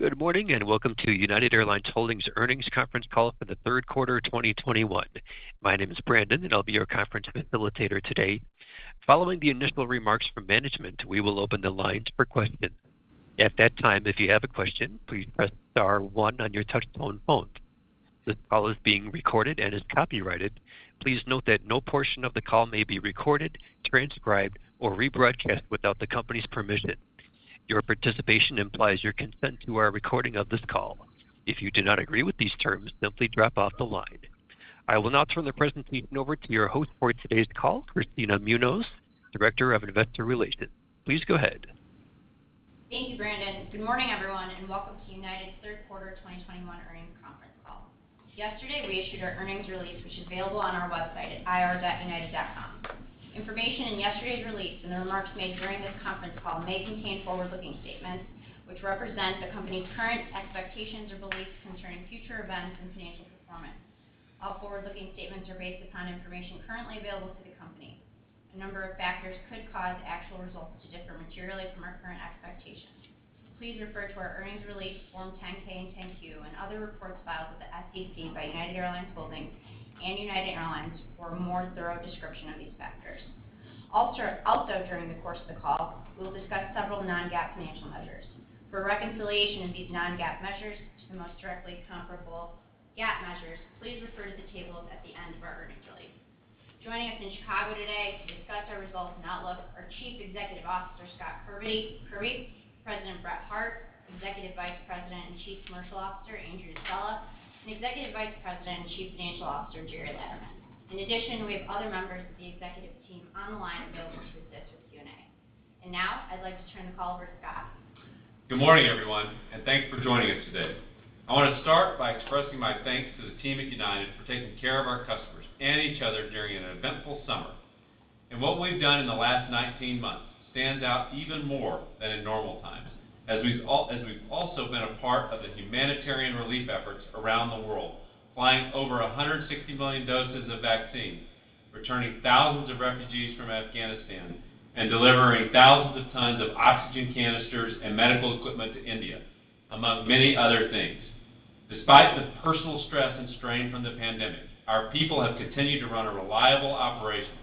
Good morning, welcome to United Airlines Holdings earnings conference call for the third quarter of 2021. My name is Brandon, and I'll be your conference facilitator today. Following the initial remarks from management, we will open the lines for questions. At that time, if you have a question, please press star one on your touch-tone phone. This call is being recorded and is copyrighted. Please note that no portion of the call may be recorded, transcribed, or rebroadcast without the company's permission. Your participation implies your consent to our recording of this call. If you do not agree with these terms, simply drop off the line. I will now turn the present meeting over to your host for today's call, Kristina Munoz, Director of Investor Relations. Please go ahead. Thank you, Brandon. Good morning, everyone, and welcome to United's third quarter 2021 earnings conference call. Yesterday, we issued our earnings release, which is available on our website at ir.united.com. Information in yesterday's release and the remarks made during this conference call may contain forward-looking statements which represent the company's current expectations or beliefs concerning future events and financial performance. All forward-looking statements are based upon information currently available to the company. A number of factors could cause actual results to differ materially from our current expectations. Please refer to our earnings release, Form 10-K and 10-Q and other reports filed with the SEC by United Airlines Holdings and United Airlines for a more thorough description of these factors. During the course of the call, we will discuss several non-GAAP financial measures. For reconciliation of these non-GAAP measures to the most directly comparable GAAP measures, please refer to the tables at the end of our earnings release. Joining us in Chicago today to discuss our results and outlook are Chief Executive Officer, Scott Kirby, President, Brett Hart, Executive Vice President and Chief Commercial Officer, Andrew Nocella, and Executive Vice President and Chief Financial Officer, Gerry Laderman. We have other members of the executive team on the line available to assist with Q&A. Now I'd like to turn the call over to Scott. Good morning, everyone, and thanks for joining us today. I want to start by expressing my thanks to the team at United for taking care of our customers and each other during an eventful summer. What we've done in the last 19 months stands out even more than in normal times, as we've also been a part of the humanitarian relief efforts around the world, flying over 160 million doses of vaccines, returning thousands of refugees from Afghanistan, and delivering thousands of tons of oxygen canisters and medical equipment to India, among many other things. Despite the personal stress and strain from the pandemic, our people have continued to run a reliable operation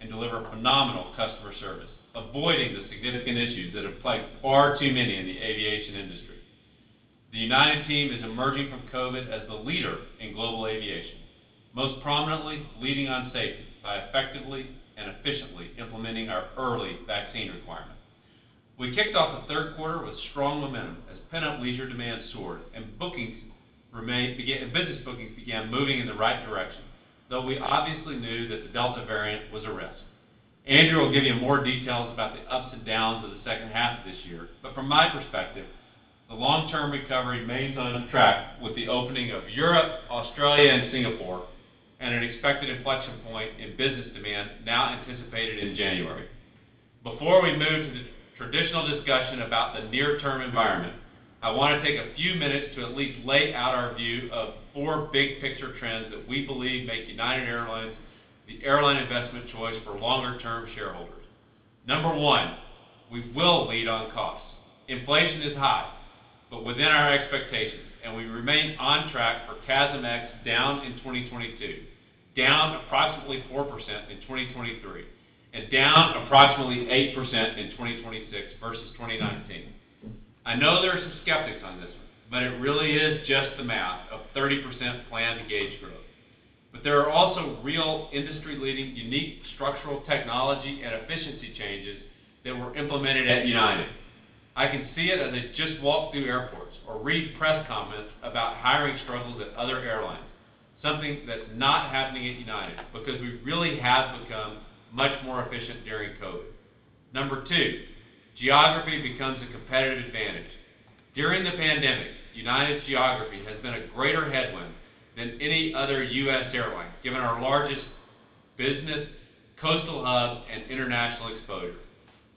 and deliver phenomenal customer service, avoiding the significant issues that have plagued far too many in the aviation industry. The United team is emerging from COVID as the leader in global aviation, most prominently leading on safety by effectively and efficiently implementing our early vaccine requirement. We kicked off the third quarter with strong momentum as pent-up leisure demand soared and business bookings began moving in the right direction, though we obviously knew that the Delta variant was a risk. Andrew will give you more details about the ups and downs of the second half of this year. From my perspective, the long-term recovery remains on track with the opening of Europe, Australia, and Singapore, and an expected inflection point in business demand now anticipated in January. Before we move to the traditional discussion about the near-term environment, I want to take a few minutes to at least lay out our view of four big-picture trends that we believe make United Airlines the airline investment choice for longer-term shareholders. Number one, we will lead on costs. Inflation is high, but within our expectations, and we remain on track for CASM-ex down in 2022, down approximately 4% in 2023, and down approximately 8% in 2026 versus 2019. I know there are some skeptics on this one, but it really is just the math of 30% planned gauge growth. There are also real industry-leading, unique structural technology and efficiency changes that were implemented at United. I can see it as I just walk through airports or read press comments about hiring struggles at other airlines, something that's not happening at United because we really have become much more efficient during COVID. Number 2, geography becomes a competitive advantage. During the pandemic, United's geography has been a greater headwind than any other U.S. airline, given our largest business, coastal hub, and international exposure.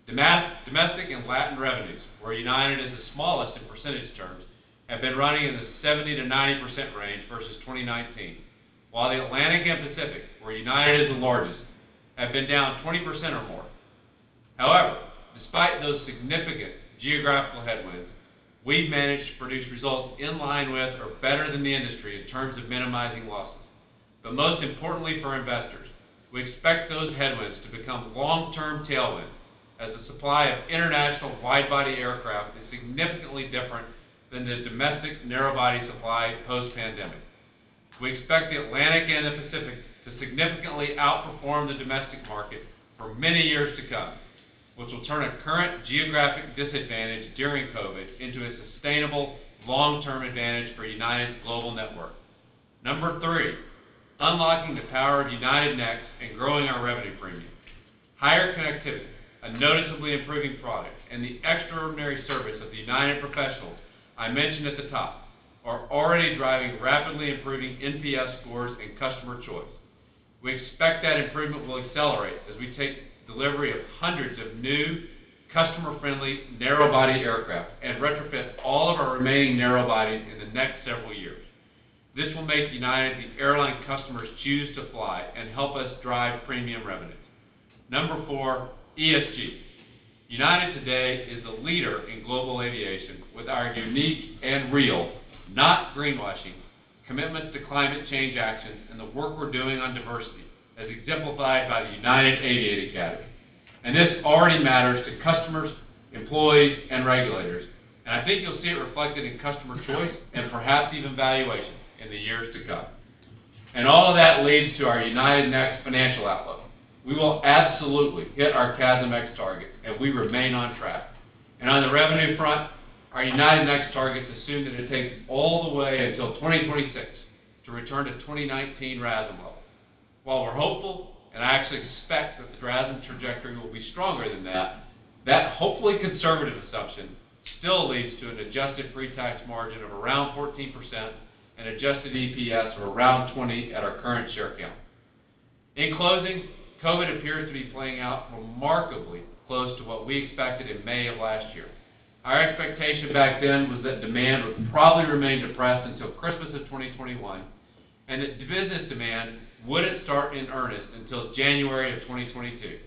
Domestic and Latin revenues, where United is the smallest in percentage terms, have been running in the 70%-90% range versus 2019, while the Atlantic and Pacific, where United is the largest, have been down 20% or more. Despite those significant geographical headwinds, we've managed to produce results in line with or better than the industry in terms of minimizing losses. Most importantly for investors, we expect those headwinds to become long-term tailwinds as the supply of international wide-body aircraft is significantly different than the domestic narrow-body supply post-pandemic. We expect the Atlantic and the Pacific to significantly outperform the domestic market for many years to come, which will turn a current geographic disadvantage during COVID into a sustainable long-term advantage for United's global network. Number three, unlocking the power of United Next and growing our revenue premium. Higher connectivity, a noticeably improving product, and the extraordinary service of the United professionals I mentioned at the top are already driving rapidly improving NPS scores and customer choice. We expect that improvement will accelerate as we take delivery of hundreds of new customer-friendly narrow-body aircraft and retrofit all of our remaining narrow bodies in the next several years. This will make United the airline customers choose to fly and help us drive premium revenue. Number four, ESG. United today is a leader in global aviation with our unique and real, not greenwashing, commitment to climate change action and the work we're doing on diversity, as exemplified by the United Aviate Academy. This already matters to customers, employees, and regulators. I think you'll see it reflected in customer choice and perhaps even valuation in the years to come. All of that leads to our United Next financial outlook. We will absolutely hit our CASMx target, and we remain on track. On the revenue front, our United Next targets assume that it takes all the way until 2026 to return to 2019 RASM level. While we're hopeful, I actually expect that the RASM trajectory will be stronger than that hopefully conservative assumption still leads to an adjusted pre-tax margin of around 14% and adjusted EPS of around $20 at our current share count. In closing, COVID appears to be playing out remarkably close to what we expected in May of last year. Our expectation back then was that demand would probably remain depressed until Christmas of 2021, and that business demand wouldn't start in earnest until January of 2022.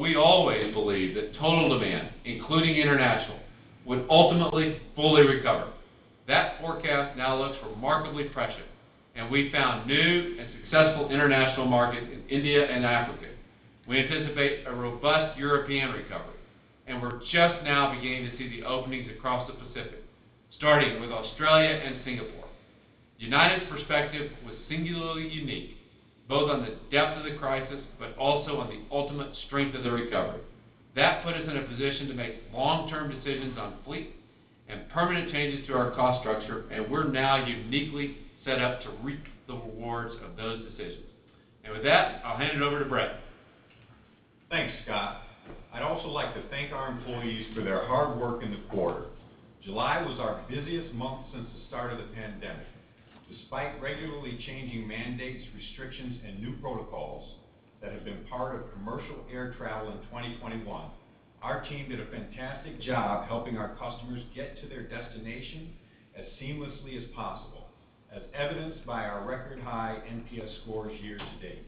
We always believed that total demand, including international, would ultimately fully recover. That forecast now looks remarkably prescient, and we've found new and successful international markets in India and Africa. We anticipate a robust European recovery, and we're just now beginning to see the openings across the Pacific, starting with Australia and Singapore. United's perspective was singularly unique, both on the depth of the crisis, but also on the ultimate strength of the recovery. That put us in a position to make long-term decisions on fleet and permanent changes to our cost structure, and we're now uniquely set up to reap the rewards of those decisions. With that, I'll hand it over to Brett. Thanks, Scott. I'd also like to thank our employees for their hard work in the quarter. July was our busiest month since the start of the pandemic. Despite regularly changing mandates, restrictions, and new protocols that have been part of commercial air travel in 2021, our team did a fantastic job helping our customers get to their destination as seamlessly as possible, as evidenced by our record-high NPS scores year-to-date.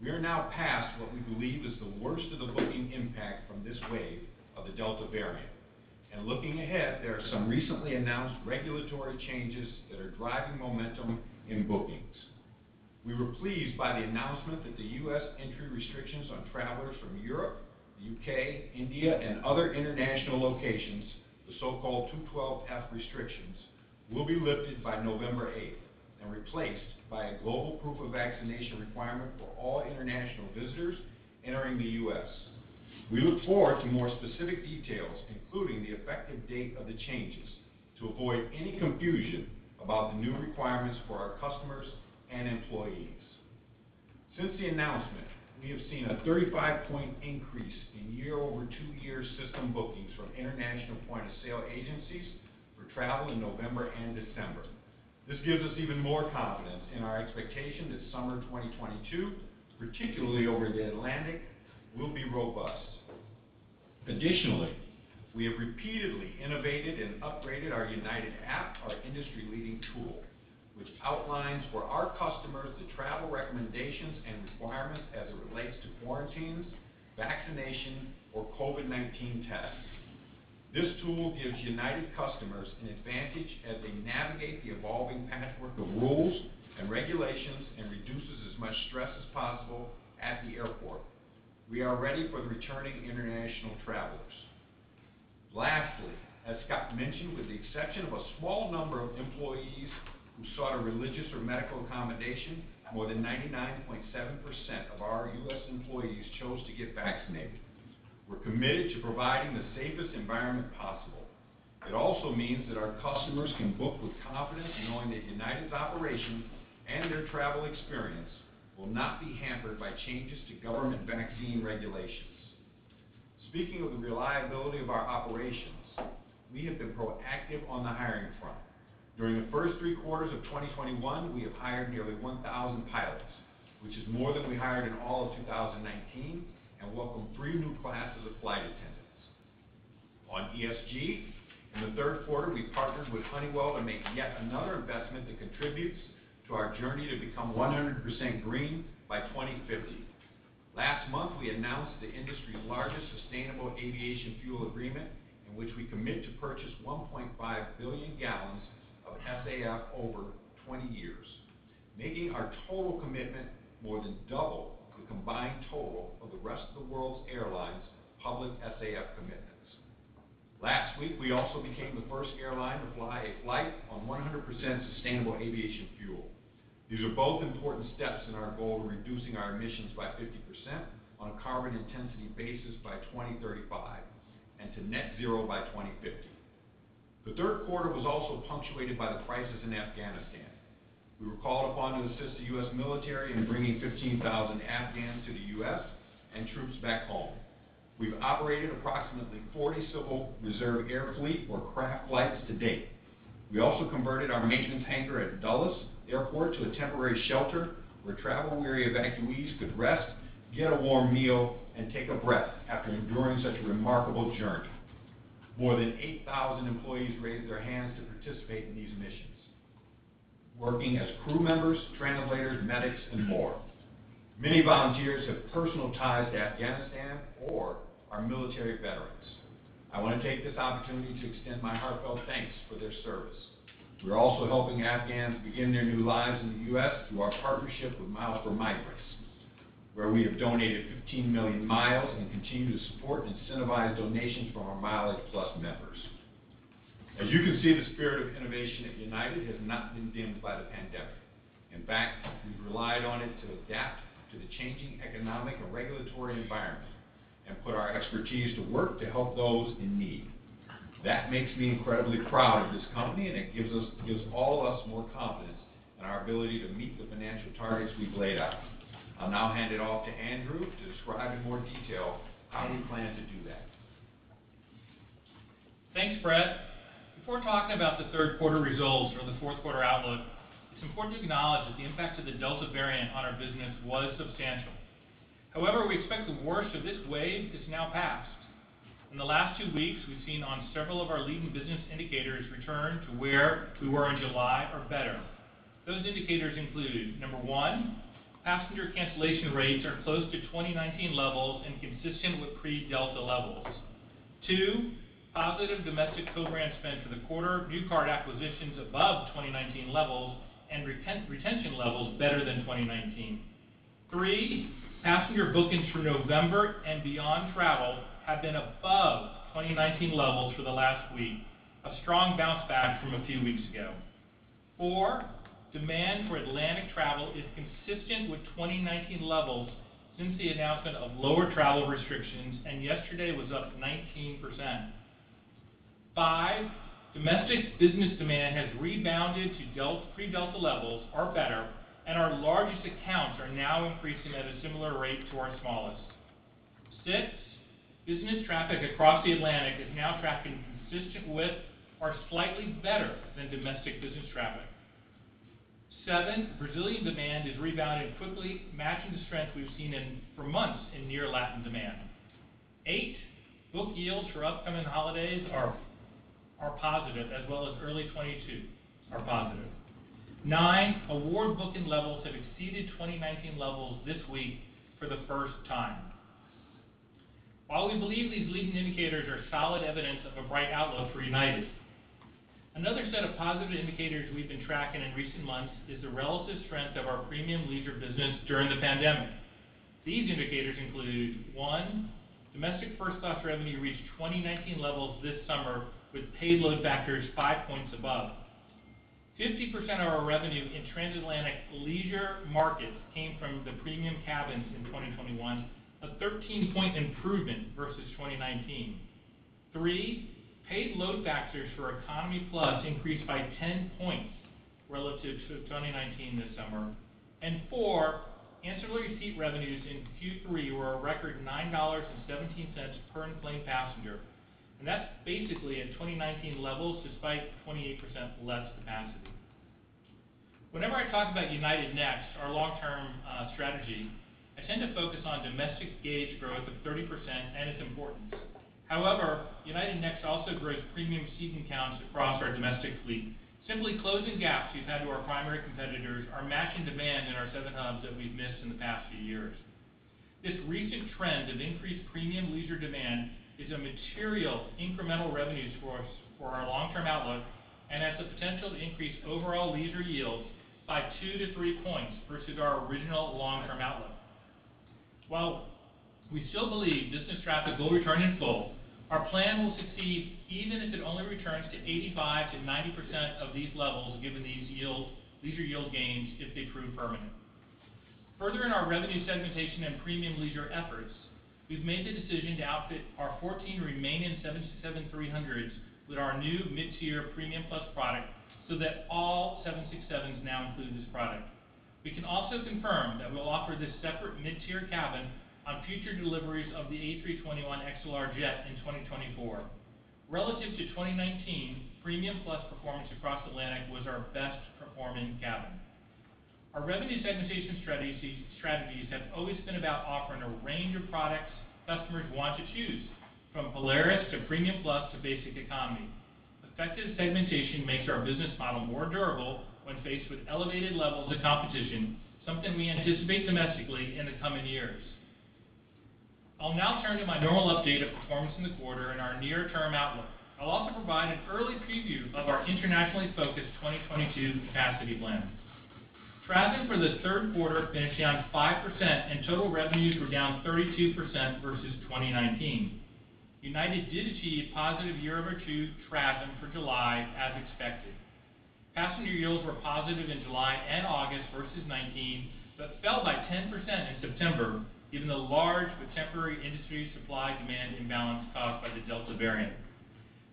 We are now past what we believe is the worst of the booking impact from this wave of the Delta variant. Looking ahead, there are some recently announced regulatory changes that are driving momentum in bookings. We were pleased by the announcement that the U.S. entry restrictions on travelers from Europe, the U.K., India, and other international locations, the so-called 212(f) restrictions, will be lifted by November 8th and replaced by a global proof of vaccination requirement for all international visitors entering the U.S. We look forward to more specific details, including the effective date of the changes, to avoid any confusion about the new requirements for our customers and employees. Since the announcement, we have seen a 35-point increase in year-over-two-year system bookings from international point-of-sale agencies for travel in November and December. This gives us even more confidence in our expectation that summer 2022, particularly over the Atlantic, will be robust. Additionally, we have repeatedly innovated and upgraded our United app, our industry-leading tool, which outlines for our customers the travel recommendations and requirements as it relates to quarantines, vaccination, or COVID-19 tests. This tool gives United customers an advantage as they navigate the evolving patchwork of rules and regulations and reduces as much stress as possible at the airport. We are ready for the returning international travelers. Lastly, as Scott mentioned, with the exception of a small number of employees who sought a religious or medical accommodation, more than 99.7% of our U.S. employees chose to get vaccinated. We're committed to providing the safest environment possible. It also means that our customers can book with confidence knowing that United's operation and their travel experience will not be hampered by changes to government vaccine regulations. Speaking of the reliability of our operations, we have been proactive on the hiring front. During the first three quarters of 2021, we have hired nearly 1,000 pilots, which is more than we hired in all of 2019, and welcomed three new classes of flight attendants. On ESG, in the third quarter, we partnered with Honeywell to make yet another investment that contributes to our journey to become 100% green by 2050. Last month, we announced the industry's largest sustainable aviation fuel agreement in which we commit to purchase 1.5 billion gallons of SAF over 20 years, making our total commitment more than double the combined total of the rest of the world's airlines' public SAF commitments. Last week, we also became the first airline to fly a flight on 100% sustainable aviation fuel. These are both important steps in our goal of reducing our emissions by 50% on a carbon intensity basis by 2035 and to net zero by 2050. The third quarter was also punctuated by the crisis in Afghanistan. We were called upon to assist the U.S. military in bringing 15,000 Afghans to the U.S. and troops back home. We've operated approximately 40 Civil Reserve Air Fleet or CRAF flights to date. We also converted our maintenance hangar at Dulles Airport to a temporary shelter where travel-weary evacuees could rest, get a warm meal, and take a breath after enduring such a remarkable journey. More than 8,000 employees raised their hands to participate in these missions, working as crew members, translators, medics, and more. Many volunteers have personal ties to Afghanistan or are military veterans. I want to take this opportunity to extend my heartfelt thanks for their service. We're also helping Afghans begin their new lives in the U.S. through our partnership with Miles4Migrants, where we have donated 15 million miles and continue to support and incentivize donations from our MileagePlus members. As you can see, the spirit of innovation at United has not been dimmed by the pandemic. In fact, we've relied on it to adapt to the changing economic and regulatory environment and put our expertise to work to help those in need. That makes me incredibly proud of this company, and it gives all of us more confidence in our ability to meet the financial targets we've laid out. I'll now hand it off to Andrew to describe in more detail how we plan to do that. Thanks, Brett. Before talking about the third quarter results or the fourth quarter outlook, it's important to acknowledge that the impact of the Delta variant on our business was substantial. We expect the worst of this wave is now passed. In the last two weeks, we've seen on several of our leading business indicators return to where we were in July or better. Those indicators include, one, passenger cancellation rates are close to 2019 levels and consistent with pre-Delta levels. Two, positive domestic co-brand spend for the quarter, new card acquisitions above 2019 levels, and retention levels better than 2019. Three, passenger bookings for November and beyond travel have been above 2019 levels for the last week, a strong bounce back from a few weeks ago. Four, demand for Atlantic travel is consistent with 2019 levels since the announcement of lower travel restrictions, and yesterday was up 19%. Five, domestic business demand has rebounded to pre-Delta levels or better, and our largest accounts are now increasing at a similar rate to our smallest. Six, business traffic across the Atlantic is now tracking consistent with or slightly better than domestic business traffic. Seven, Brazilian demand is rebounding quickly, matching the strength we've seen for months in near Latin demand. Eight, book yields for upcoming holidays are positive, as well as early 2022 are positive. Nine, award booking levels have exceeded 2019 levels this week for the first time. While we believe these leading indicators are solid evidence of a bright outlook for United, another set of positive indicators we've been tracking in recent months is the relative strength of our premium leisure business during the pandemic. These indicators include, one, domestic First Class revenue reached 2019 levels this summer with paid load factors five points above. 50% of our revenue in transatlantic leisure markets came from the premium cabins in 2021, a 13-point improvement versus 2019. Three, paid load factors for Economy Plus increased by 10 points relative to 2019 this summer. Four, ancillary seat revenues in Q3 were a record $9.17 per inflight passenger, and that's basically at 2019 levels despite 28% less capacity. Whenever I talk about United Next, our long-term strategy, I tend to focus on domestic gauge growth of 30% and its importance. However, United Next also grows premium seat counts across our domestic fleet, simply closing gaps we've had to our primary competitors are matching demand in our seven hubs that we've missed in the past few years. This recent trend of increased premium leisure demand is a material incremental revenue source for our long-term outlook and has the potential to increase overall leisure yields by two to three points versus our original long-term outlook. While we still believe business traffic will return in full, our plan will succeed even if it only returns to 85%-90% of these levels given these leisure yield gains if they prove permanent. Further in our revenue segmentation and premium leisure efforts, we've made the decision to outfit our 14 remaining 767-300s with our new mid-tier Premium Plus product so that all 767s now include this product. We can also confirm that we'll offer this separate mid-tier cabin on future deliveries of the A321XLR jet in 2024. Relative to 2019, Premium Plus performance across Atlantic was our best-performing cabin. Our revenue segmentation strategies have always been about offering a range of products customers want to choose, from Polaris to Premium Plus to basic economy. Effective segmentation makes our business model more durable when faced with elevated levels of competition, something we anticipate domestically in the coming years. I'll now turn to my normal update of performance in the quarter and our near-term outlook. I'll also provide an early preview of our internationally-focused 2022 capacity plans. Traffic for the third quarter finished down 5% and total revenues were down 32% versus 2019. United did achieve positive year-over-year TRASM for July as expected. Passenger yields were positive in July and August versus 2019, but fell by 10% in September given the large but temporary industry supply-demand imbalance caused by the Delta variant.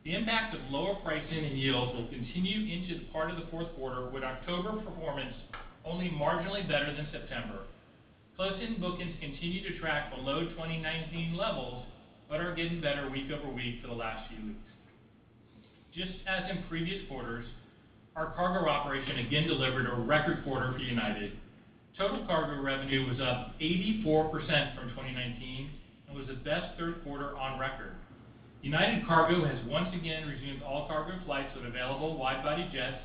The impact of lower pricing and yields will continue into the part of the fourth quarter, with October performance only marginally better than September. Close-in bookings continue to track below 2019 levels but are getting better week-over-week for the last few weeks. Just as in previous quarters, our cargo operation again delivered a record quarter for United. Total cargo revenue was up 84% from 2019 and was the best third quarter on record. United Cargo has once again resumed all cargo flights with available wide-body jets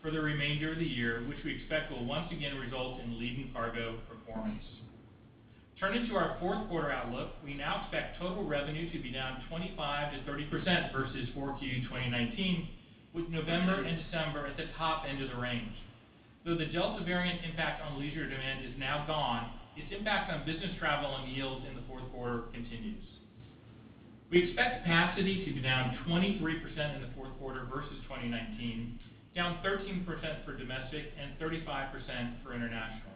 for the remainder of the year, which we expect will once again result in leading cargo performance. Turning to our fourth quarter outlook, we now expect total revenue to be down 25%-30% versus 4Q 2019, with November and December at the top end of the range. Though the Delta variant impact on leisure demand is now gone, its impact on business travel and yields in the fourth quarter continues. We expect capacity to be down 23% in the fourth quarter versus 2019, down 13% for domestic and 35% for international.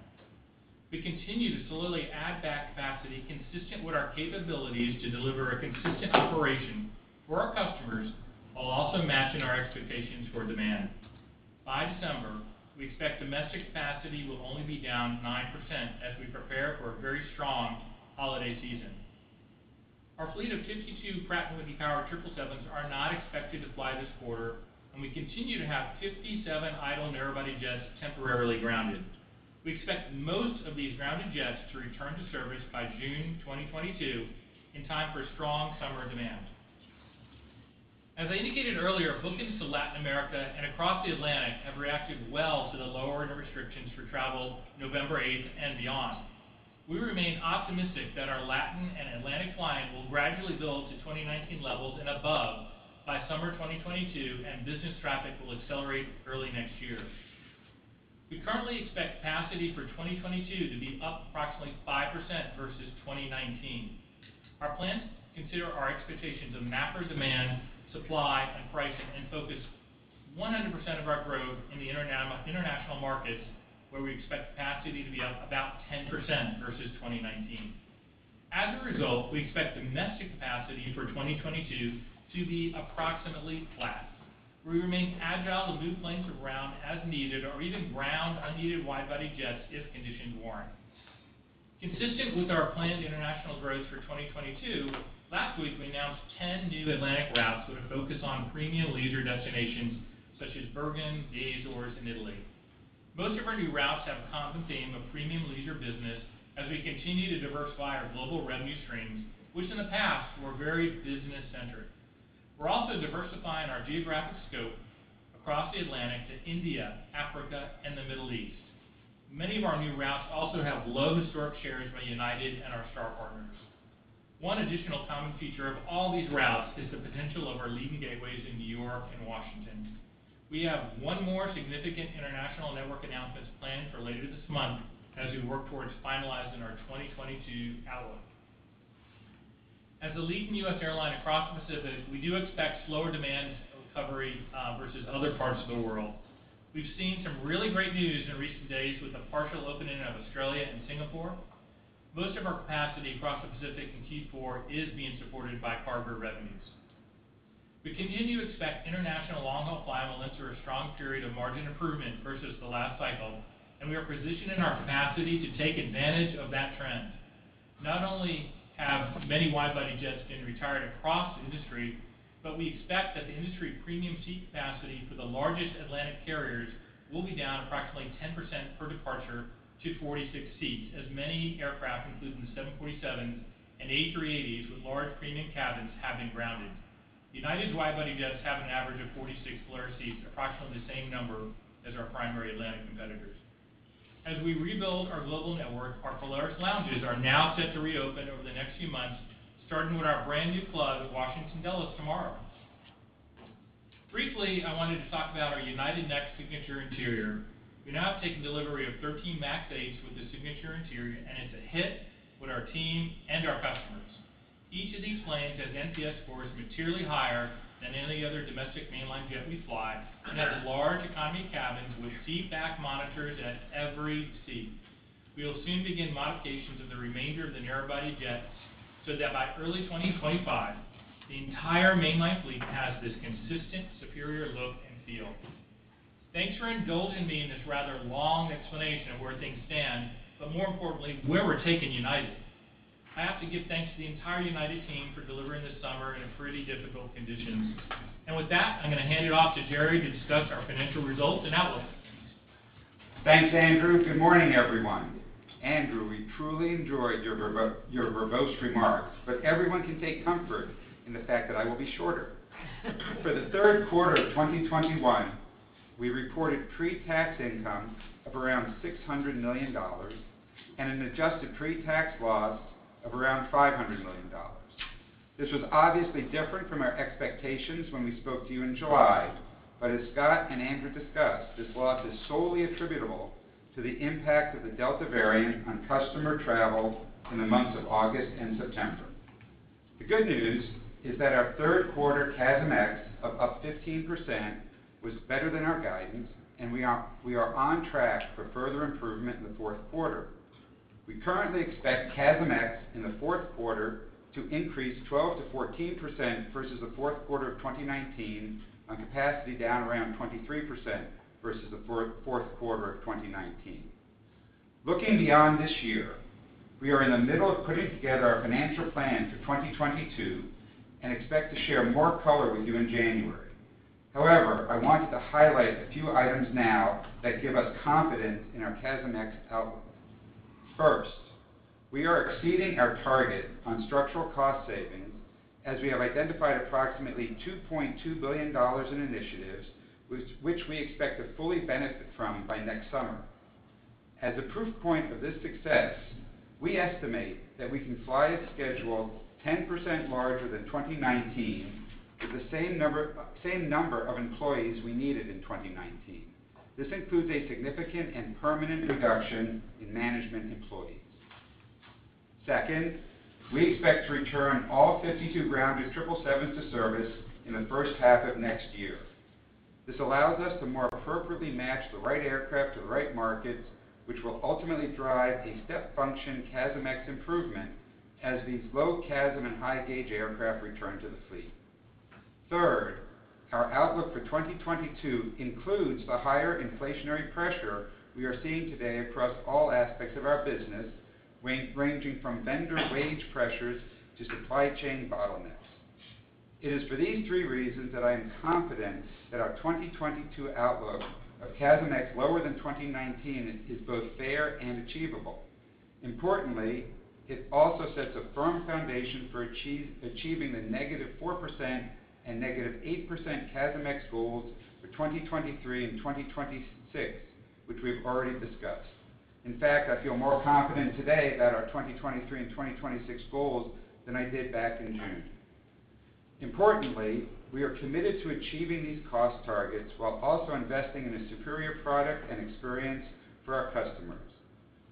We continue to slowly add back capacity consistent with our capabilities to deliver a consistent operation for our customers while also matching our expectations for demand. By December, we expect domestic capacity will only be down 9% as we prepare for a very strong holiday season. Our fleet of 52 Pratt & Whitney powered 777s are not expected to fly this quarter, and we continue to have 57 idle narrow-body jets temporarily grounded. We expect most of these grounded jets to return to service by June 2022 in time for strong summer demand. As I indicated earlier, bookings to Latin America and across the Atlantic have reacted well to the lowering of restrictions for travel November 8th and beyond. We remain optimistic that our Latin and Atlantic flying will gradually build to 2019 levels and above by summer 2022, and business traffic will accelerate early next year. We currently expect capacity for 2022 to be up approximately 5% versus 2019. Our plans consider our expectations of macro demand, supply, and pricing, and focus 100% of our growth in the international markets where we expect capacity to be up about 10% versus 2019. As a result, we expect domestic capacity for 2022 to be approximately flat. We remain agile to move planes around as needed or even ground unneeded wide-body jets if conditions warrant. Consistent with our planned international growth for 2022, last week, we announced 10 new Atlantic routes with a focus on premium leisure destinations such as Bergen, the Azores, and Italy. Most of our new routes have a common theme of premium leisure business as we continue to diversify our global revenue streams, which in the past were very business-centric. We're also diversifying our geographic scope across the Atlantic to India, Africa, and the Middle East. Many of our new routes also have low historic shares by United and our Star partners. One additional common feature of all these routes is the potential of our leading gateways in New York and Washington. We have one more significant international network announcement planned for later this month as we work towards finalizing our 2022 outlook. As the leading U.S. airline across the Pacific, we do expect slower demand recovery versus other parts of the world. We've seen some really great news in recent days with the partial opening of Australia and Singapore. Most of our capacity across the Pacific in Q4 is being supported by cargo revenues. We continue to expect international long-haul flight markets for a strong period of margin improvement versus the last cycle, and we are positioning our capacity to take advantage of that trend. Not only have many wide-body jets been retired across the industry, but we expect that the industry premium seat capacity for the largest Atlantic carriers will be down approximately 10% per departure to 46 seats as many aircraft, including the 747s and A380s with large premium cabins have been grounded. United's wide-body jets have an average of 46 Polaris seats, approximately the same number as our primary Atlantic competitors. As we rebuild our global network, our Polaris lounges are now set to reopen over the next few months, starting with our brand-new club at Washington Dulles tomorrow. Briefly, I wanted to talk about our United Next signature interior. We're now taking delivery of 13 MAX8s with the signature interior, and it's a hit with our team and our customers. Each of these planes has NPS scores materially higher than any other domestic mainline jet we fly and has large economy cabins with seat back monitors at every seat. We will soon begin modifications of the remainder of the narrow-body jets so that by early 2025, the entire mainline fleet has this consistent superior look and feel. Thanks for indulging me in this rather long explanation of where things stand, more importantly, where we're taking United. I have to give thanks to the entire United team for delivering this summer in pretty difficult conditions. With that, I'm going to hand it off to Gerry to discuss our financial results and outlook. Thanks, Andrew. Good morning, everyone. Andrew, we truly enjoyed your verbose remarks. Everyone can take comfort in the fact that I will be shorter. For the third quarter of 2021, we reported pre-tax income of around $600 million and an adjusted pre-tax loss of around $500 million. This was obviously different from our expectations when we spoke to you in July. As Scott and Andrew discussed, this loss is solely attributable to the impact of the Delta variant on customer travel in the months of August and September. The good news is that our third quarter CASMx of up 15% was better than our guidance. We are on track for further improvement in the fourth quarter. We currently expect CASMx in the fourth quarter to increase 12%-14% versus the fourth quarter of 2019 on capacity down around 23% versus the fourth quarter of 2019. Looking beyond this year, we are in the middle of putting together our financial plan for 2022 and expect to share more color with you in January. I wanted to highlight a few items now that give us confidence in our CASMx outlook. First, we are exceeding our target on structural cost savings as we have identified approximately $2.2 billion in initiatives, which we expect to fully benefit from by next summer. As a proof point of this success, we estimate that we can fly a schedule 10% larger than 2019 with the same number of employees we needed in 2019. This includes a significant and permanent reduction in management employees. Second, we expect to return all 52 grounded 777s to service in the first half of next year. This allows us to more appropriately match the right aircraft to the right markets, which will ultimately drive a step function CASMx improvement as these low CASM and high gauge aircraft return to the fleet. Third, our outlook for 2022 includes the higher inflationary pressure we are seeing today across all aspects of our business, ranging from vendor wage pressures to supply chain bottlenecks. It is for these three reasons that I am confident that our 2022 outlook of CASMx lower than 2019 is both fair and achievable. Importantly, it also sets a firm foundation for achieving the -4% and -8% CASMx goals for 2023 and 2026, which we've already discussed. In fact, I feel more confident today about our 2023 and 2026 goals than I did back in June. Importantly, we are committed to achieving these cost targets while also investing in a superior product and experience for our customers.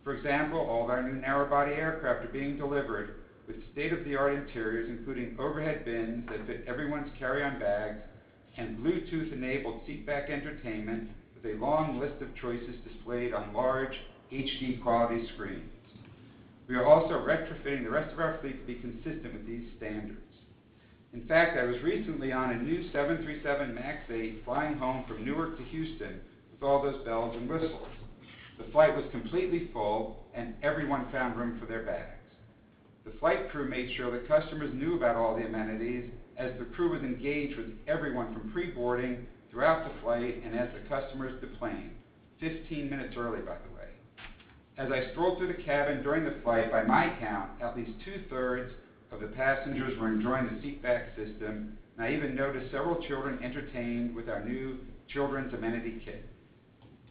For example, all of our new narrow-body aircraft are being delivered with state-of-the-art interiors, including overhead bins that fit everyone's carry-on bags and Bluetooth-enabled seat back entertainment with a long list of choices displayed on large HD quality screens. We are also retrofitting the rest of our fleet to be consistent with these standards. In fact, I was recently on a new 737 MAX 8 flying home from Newark to Houston with all those bells and whistles. The flight was completely full and everyone found room for their bags. The flight crew made sure the customers knew about all the amenities as the crew was engaged with everyone from pre-boarding throughout the flight and as the customers deplaned, 15 minutes early, by the way. As I strolled through the cabin during the flight, by my count, at least two-thirds of the passengers were enjoying the seat back system, and I even noticed several children entertained with our new children's amenity kit.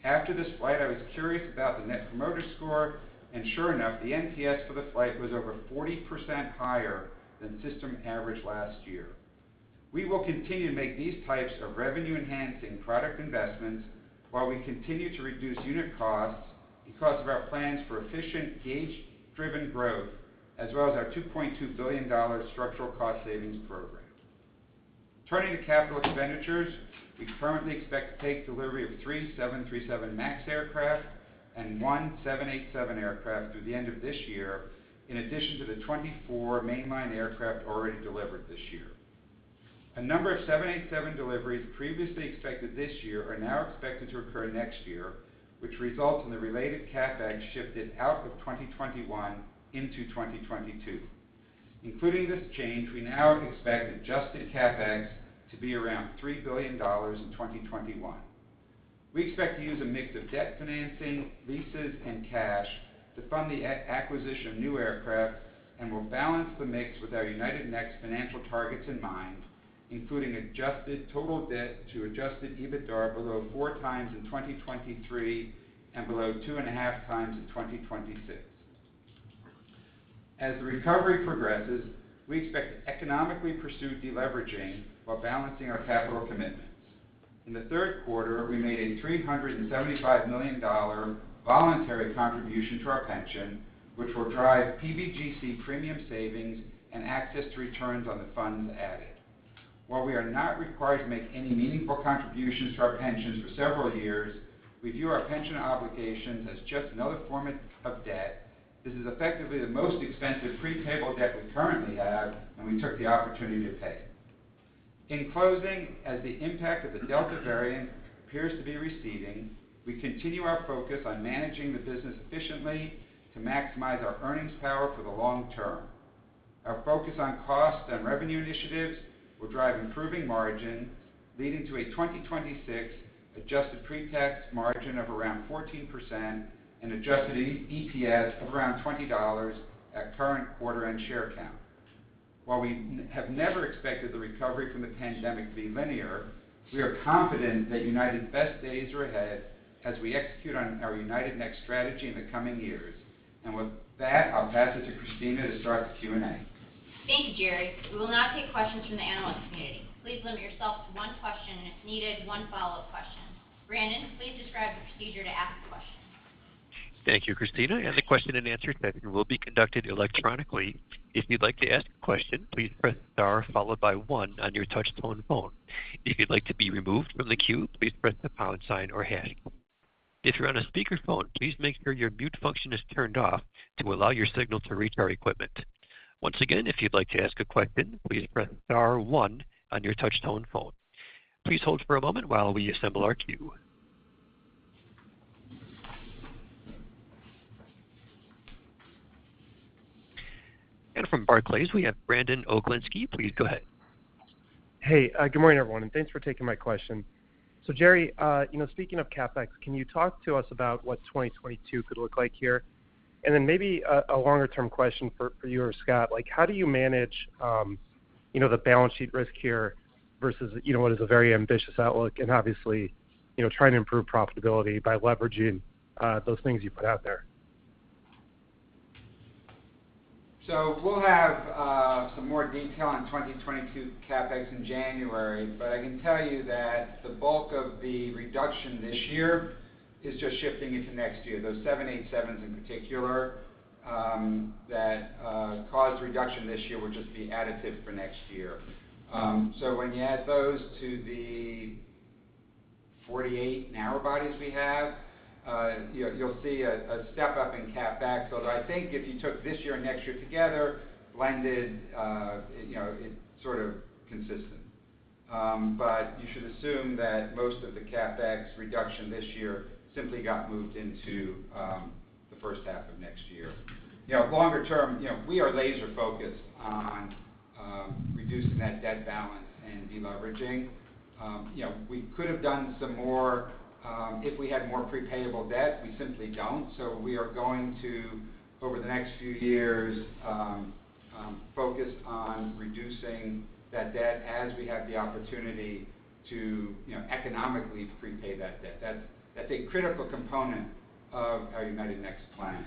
After this flight, I was curious about the Net Promoter Score, and sure enough, the NPS for the flight was over 40% higher than system average last year. We will continue to make these types of revenue-enhancing product investments while we continue to reduce unit costs because of our plans for efficient gauge-driven growth, as well as our $2.2 billion structural cost savings program. Turning to capital expenditures, we currently expect to take delivery of 3 737 MAX aircraft and 1 787 aircraft through the end of this year, in addition to the 24 mainline aircraft already delivered this year. A number of 787 deliveries previously expected this year are now expected to occur next year, which results in the related CapEx shifted out of 2021 into 2022. Including this change, we now expect adjusted CapEx to be around $3 billion in 2021. We expect to use a mix of debt financing, leases, and cash to fund the acquisition of new aircraft and will balance the mix with our United Next financial targets in mind, including adjusted total debt to adjusted EBITDA below 4x in 2023 and below 2.5x in 2026. As the recovery progresses, we expect to economically pursue deleveraging while balancing our capital commitments. In the third quarter, we made a $375 million voluntary contribution to our pension, which will drive PBGC premium savings and access to returns on the funds added. While we are not required to make any meaningful contributions to our pensions for several years, we view our pension obligations as just another form of debt. This is effectively the most expensive pre-payable debt we currently have, and we took the opportunity to pay. In closing, as the impact of the Delta variant appears to be receding, we continue our focus on managing the business efficiently to maximize our earnings power for the long term. Our focus on cost and revenue initiatives will drive improving margin, leading to a 2026 adjusted pre-tax margin of around 14% and adjusted EPS of around $20 at current quarter and share count. While we have never expected the recovery from the pandemic to be linear, we are confident that United's best days are ahead as we execute on our United Next strategy in the coming years. With that, I'll pass it to Kristina to start the Q&A. Thank you, Gerry. We will now take questions from the analyst community. Please limit yourself to one question and, if needed, one follow-up question. Brandon, please describe the procedure to ask a question. Thank you, Kristina. The question-and-answer session will be conducted electronically. If you'd like to ask a question, please press star followed by one on your touch-tone phone. If you'd like to be removed from the queue, please press the pound sign or hash. If you're on a speakerphone, please make sure your mute function is turned off to allow your signal to reach our equipment. From Barclays, we have Brandon Oglenski. Please go ahead. Hey, good morning, everyone, and thanks for taking my question. Gerry, speaking of CapEx, can you talk to us about what 2022 could look like here? Maybe a longer-term question for you or Scott. How do you manage the balance sheet risk here versus what is a very ambitious outlook and obviously trying to improve profitability by leveraging those things you put out there? We'll have some more detail on 2022 CapEx in January, but I can tell you that the bulk of the reduction this year is just shifting into next year. Those 787s in particular that caused reduction this year will just be additive for next year. When you add those to the 48 narrow bodies we have, you'll see a step-up in CapEx. Although I think if you took this year and next year together, blended, it's sort of consistent. You should assume that most of the CapEx reduction this year simply got moved into the first half of next year. Longer-term, we are laser-focused on reducing that debt balance and de-leveraging. We could have done some more if we had more pre-payable debt, we simply don't. We are going to, over the next few years, focus on reducing that debt as we have the opportunity to economically prepay that debt. That's a critical component of our United Next plan.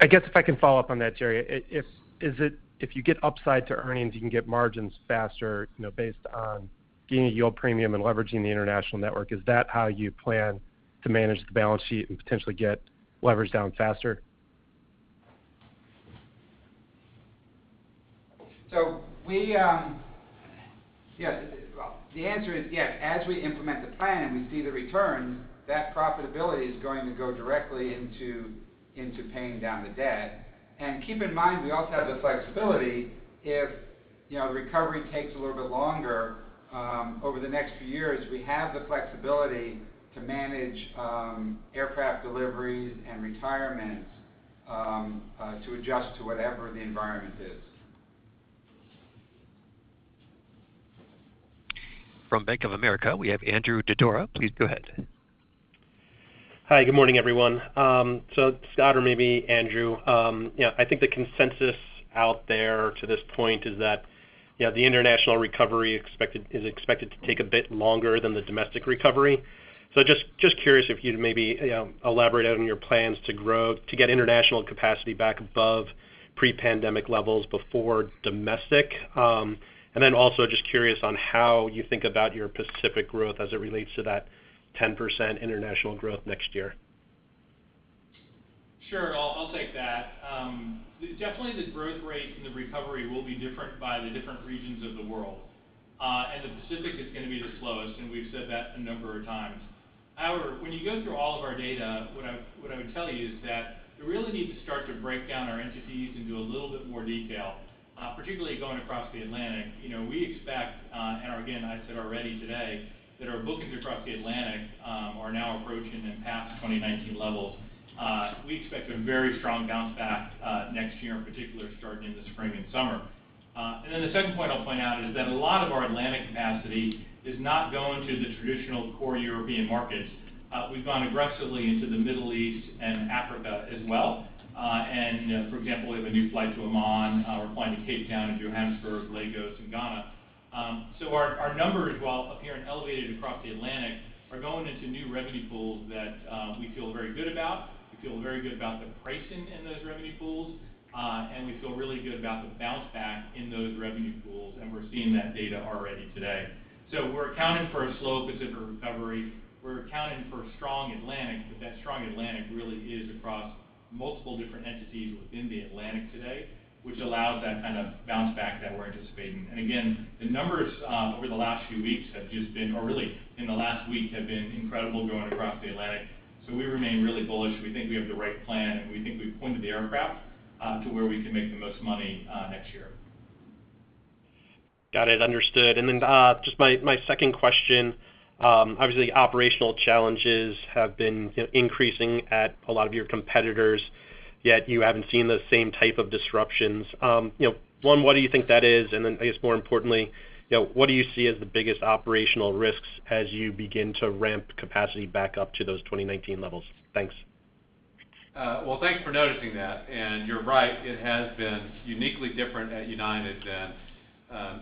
I guess if I can follow up on that, Gerry. If you get upside to earnings, you can get margins faster based on gaining a yield premium and leveraging the international network, is that how you plan to manage the balance sheet and potentially get leverage down faster? The answer is yes. As we implement the plan and we see the returns, that profitability is going to go directly into paying down the debt. Keep in mind, we also have the flexibility if recovery takes a little bit longer over the next few years. We have the flexibility to manage aircraft deliveries and retirements to adjust to whatever the environment is. From Bank of America, we have Andrew Didora. Please go ahead. Hi, good morning, everyone. Scott or maybe Andrew, I think the consensus out there to this point is that the international recovery is expected to take a bit longer than the domestic recovery. Just curious if you'd maybe elaborate on your plans to get international capacity back above pre-pandemic levels before domestic. Also just curious on how you think about your Pacific growth as it relates to that 10% international growth next year. Sure. I'll take that. Definitely the growth rate and the recovery will be different by the different regions of the world. The Pacific is going to be the slowest, and we've said that a number of times. However, when you go through all of our data, what I would tell you is that we really need to start to break down our entities into a little bit more detail, particularly going across the Atlantic. We expect, and again, I said already today, that our bookings across the Atlantic are now approaching and past 2019 levels. We expect a very strong bounce back next year, in particular starting in the spring and summer. The second point I'll point out is that a lot of our Atlantic capacity is not going to the traditional core European markets. We've gone aggressively into the Middle East and Africa as well. For example, we have a new flight to Amman. We're flying to Cape Town and Johannesburg, Lagos and Accra. Our numbers, while appearing elevated across the Atlantic, are going into new revenue pools that we feel very good about. We feel very good about the pricing in those revenue pools, and we feel really good about the bounce back in those revenue pools, and we're seeing that data already today. We're accounting for a slow Pacific recovery. We're accounting for a strong Atlantic, but that strong Atlantic really is across multiple different entities within the Atlantic today, which allows that kind of bounce back that we're anticipating. Again, the numbers over the last few weeks have just been, or really in the last week, have been incredible going across the Atlantic. We remain really bullish. We think we have the right plan, and we think we've pointed the aircraft to where we can make the most money next year. Got it. Understood. Just my second question. Obviously, operational challenges have been increasing at a lot of your competitors, yet you haven't seen the same type of disruptions. One, what do you think that is? I guess more importantly, what do you see as the biggest operational risks as you begin to ramp capacity back up to those 2019 levels? Thanks. Well, thanks for noticing that. You're right, it has been uniquely different at United than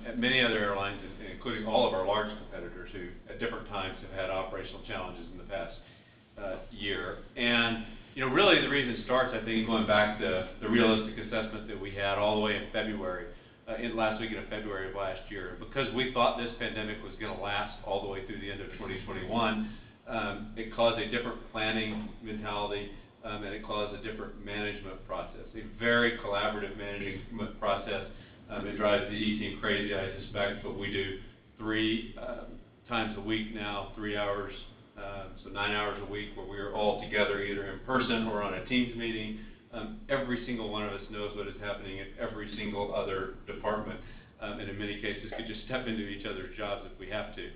at many other airlines, including all of our large competitors, who at different times have had operational challenges in the past. year. Really the reason starts, I think, going back to the realistic assessment that we had all the way in February, in the last week of February of last year. Because we thought this pandemic was going to last all the way through the end of 2021, it caused a different planning mentality, and it caused a different management process, a very collaborative management process. It drives the E team crazy, I suspect, but we do three times a week now, three hours, so nine hours a week, where we are all together, either in person or on a Teams meeting. Every single one of us knows what is happening in every single other department. In many cases, we just step into each other's jobs if we have to.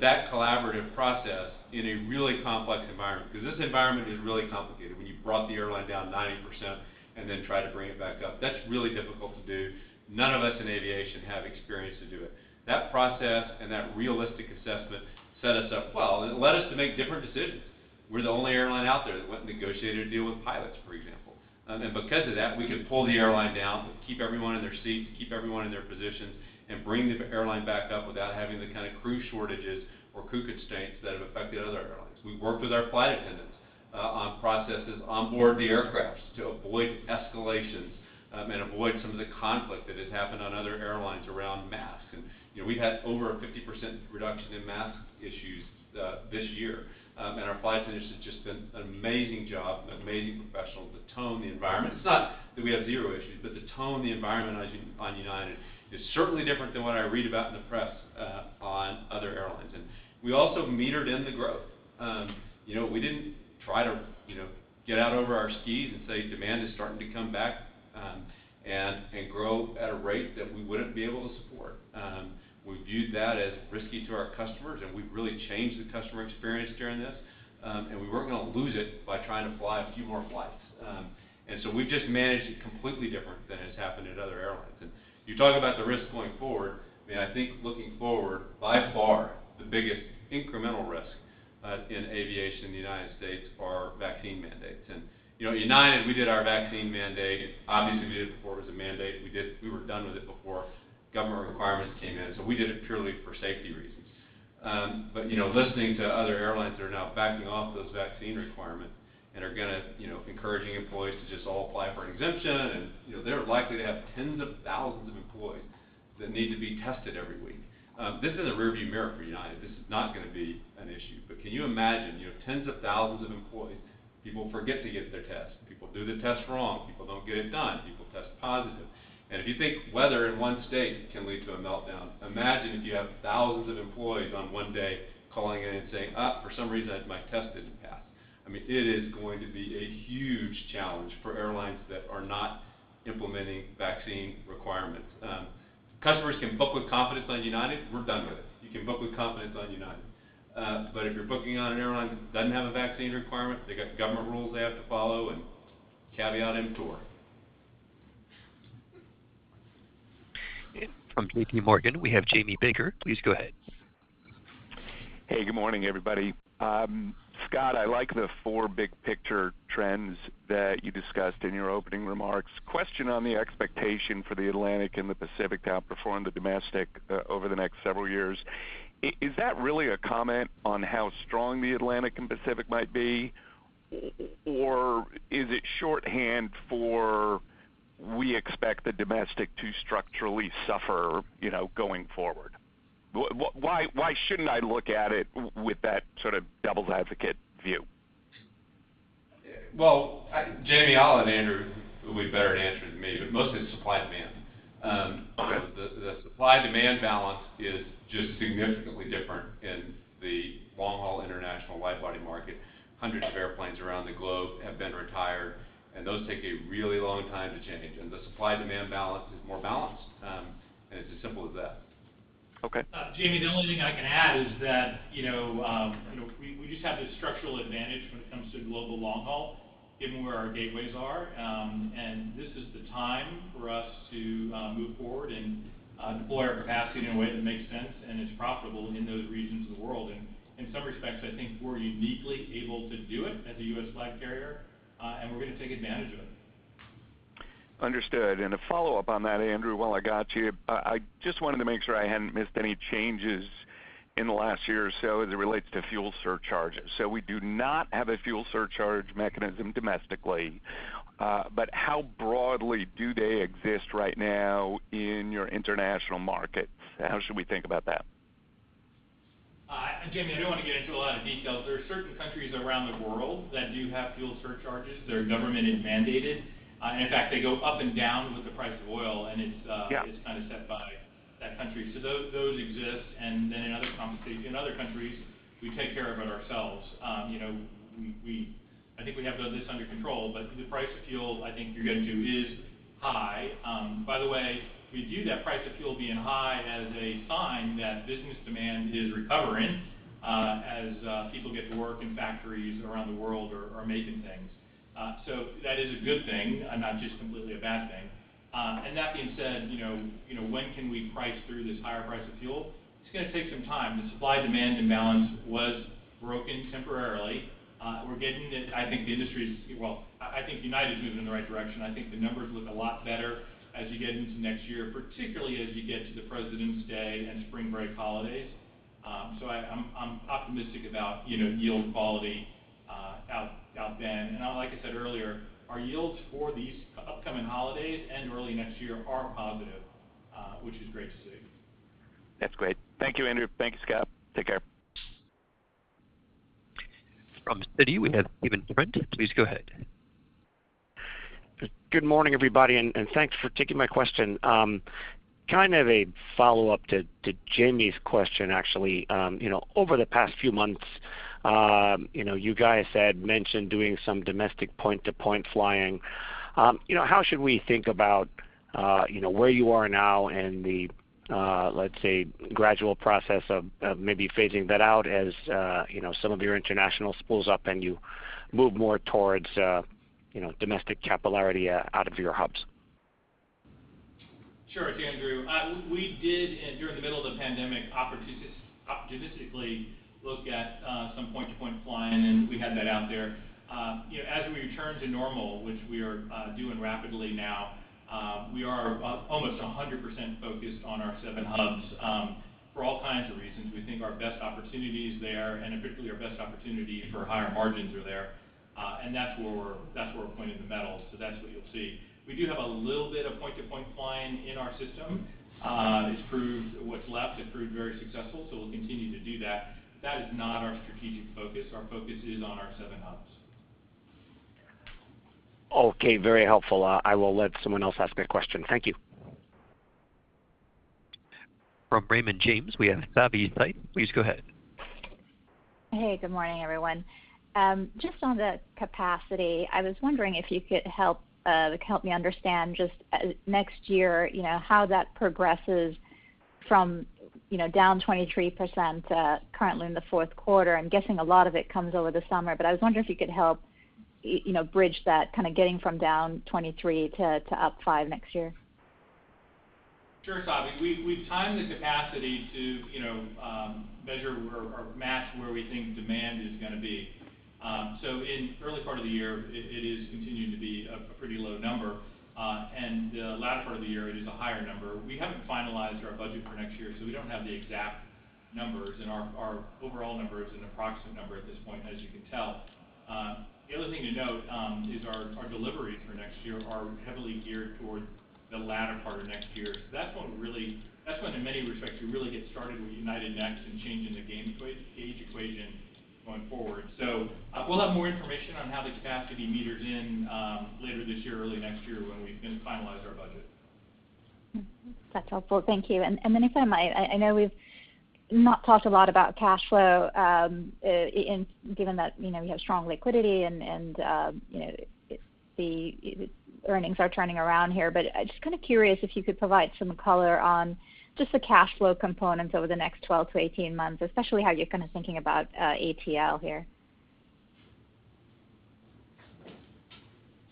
That collaborative process in a really complex environment, because this environment is really complicated. When you've brought the airline down 90% and then try to bring it back up, that's really difficult to do. None of us in aviation have experience to do it. That process and that realistic assessment set us up well, and it led us to make different decisions. We're the only airline out there that went and negotiated a deal with pilots, for example. Because of that, we could pull the airline down, but keep everyone in their seats, keep everyone in their positions, and bring the airline back up without having the kind of crew shortages or crew constraints that have affected other airlines. We've worked with our flight attendants on processes onboard the aircraft to avoid escalations and avoid some of the conflict that has happened on other airlines around masks. We've had over a 50% reduction in mask issues this year. Our flight attendants have just done an amazing job, and been amazing professionals to tone the environment. It's not that we have zero issues, but to tone the environment on United is certainly different than what I read about in the press on other airlines. We also metered in the growth. We didn't try to get out over our skis and say demand is starting to come back and grow at a rate that we wouldn't be able to support. We viewed that as risky to our customers, and we've really changed the customer experience during this, and we weren't going to lose it by trying to fly a few more flights. We've just managed it completely different than has happened at other airlines. You talk about the risks going forward, I think looking forward, by far, the biggest incremental risk in aviation in the United States are vaccine mandates. United, we did our vaccine mandate, obviously we did it before it was a mandate. We were done with it before government requirements came in. We did it purely for safety reasons. Listening to other airlines that are now backing off those vaccine requirements and are going to encouraging employees to just all apply for an exemption and they're likely to have tens of thousands of employees that need to be tested every week. This is a rear view mirror for United. This is not going to be an issue. Can you imagine, you have tens of thousands of employees, people forget to get their test, people do the test wrong, people don't get it done, people test positive. If you think weather in one state can lead to a meltdown, imagine if you have thousands of employees on one day calling in and saying, for some reason, my test didn't pass. It is going to be a huge challenge for airlines that are not implementing vaccine requirements. Customers can book with confidence on United. We're done with it. You can book with confidence on United. If you're booking on an airline that doesn't have a vaccine requirement, they've got government rules they have to follow and caveat emptor. From JPMorgan, we have Jamie Baker. Please go ahead. Hey, good morning, everybody. Scott, I like the four big-picture trends that you discussed in your opening remarks. Question on the expectation for the Atlantic and the Pacific to outperform the domestic over the next several years. Is that really a comment on how strong the Atlantic and Pacific might be, or is it shorthand for we expect the domestic to structurally suffer going forward? Why shouldn't I look at it with that sort of devil's advocate view? Well, Jamie, Alan and Andrew would be better at answering than me, but mostly it's supply and demand. Okay. The supply-demand balance is just significantly different in the long-haul international wide-body market. Hundreds of airplanes around the globe have been retired, and those take a really long time to change. The supply-demand balance is more balanced, and it's as simple as that. Okay. Jamie, the only thing I can add is that we just have this structural advantage when it comes to global long-haul given where our gateways are. This is the time for us to move forward and deploy our capacity in a way that makes sense and is profitable in those regions of the world. In some respects, I think we're uniquely able to do it as a U.S. flag carrier, and we're going to take advantage of it. Understood. A follow-up on that, Andrew, while I got you. I just wanted to make sure I hadn't missed any changes in the last year or so as it relates to fuel surcharges. We do not have a fuel surcharge mechanism domestically, but how broadly do they exist right now in your international markets? How should we think about that? Jamie, I don't want to get into a lot of details. There are certain countries around the world that do have fuel surcharges. They are government mandated. In fact, they go up and down with the price of oil. Yeah Kind of set by that country. Those exist, and then in other countries, we take care of it ourselves. I think we have this under control, the price of fuel, I think you're getting to, is high. By the way, we view that price of fuel being high as a sign that business demand is recovering as people get to work and factories around the world are making things. That is a good thing, not just completely a bad thing. That being said, when can we price through this higher price of fuel? It's going to take some time. The supply-demand imbalance was broken temporarily. I think United is moving in the right direction. I think the numbers look a lot better as you get into next year, particularly as you get to the President's Day and spring break holidays. I'm optimistic about yield quality outbound. Like I said earlier, our yields for these upcoming holidays and early next year are positive, which is great to see. That's great. Thank you, Andrew. Thank you, Scott. Take care. From Citi, we have Stephen Trent. Please go ahead. Good morning, everybody. Thanks for taking my question. Kind of a follow-up to Jamie's question, actually. Over the past few months, you guys had mentioned doing some domestic point-to-point flying. How should we think about where you are now and the, let's say, gradual process of maybe phasing that out as some of your international spools up and you move more towards domestic capillarity out of your hubs? Sure. It's Andrew. We did, during the middle of the pandemic, opportunistically look at some point-to-point flying, and we had that out there. As we return to normal, which we are doing rapidly now, we are almost 100% focused on our seven hubs for all kinds of reasons. We think our best opportunity is there, and particularly our best opportunity for higher margins are there. That's where we're pointing the metal. That's what you'll see. We do have a little bit of point-to-point flying in our system. What's left has proved very successful, so we'll continue to do that. That is not our strategic focus. Our focus is on our seven hubs. Okay. Very helpful. I will let someone else ask a question. Thank you. From Raymond James, we have Savanthi Syth. Please go ahead. Hey, good morning, everyone. Just on the capacity, I was wondering if you could help me understand just next year, how that progresses from down 23% currently in the fourth quarter. I'm guessing a lot of it comes over the summer, but I was wondering if you could help bridge that, kind of getting from down 23% to up 5% next year. Sure, Savi. We've timed the capacity to measure or match where we think demand is going to be. In the early part of the year, it is continuing to be a pretty low number. The latter part of the year, it is a higher number. We haven't finalized our budget for next year, so we don't have the exact numbers, and our overall number is an approximate number at this point, as you can tell. The other thing to note is our deliveries for next year are heavily geared towards the latter part of next year. That's when, in many respects, we really get started with United Next and changing the gauge equation going forward. We'll have more information on how the capacity meters in later this year, early next year when we finalize our budget. That's helpful. Thank you. If I might, I know we've not talked a lot about cash flow, and given that we have strong liquidity and the earnings are turning around here, but just kind of curious if you could provide some color on just the cash flow components over the next 12-18 months, especially how you're kind of thinking about ATL here.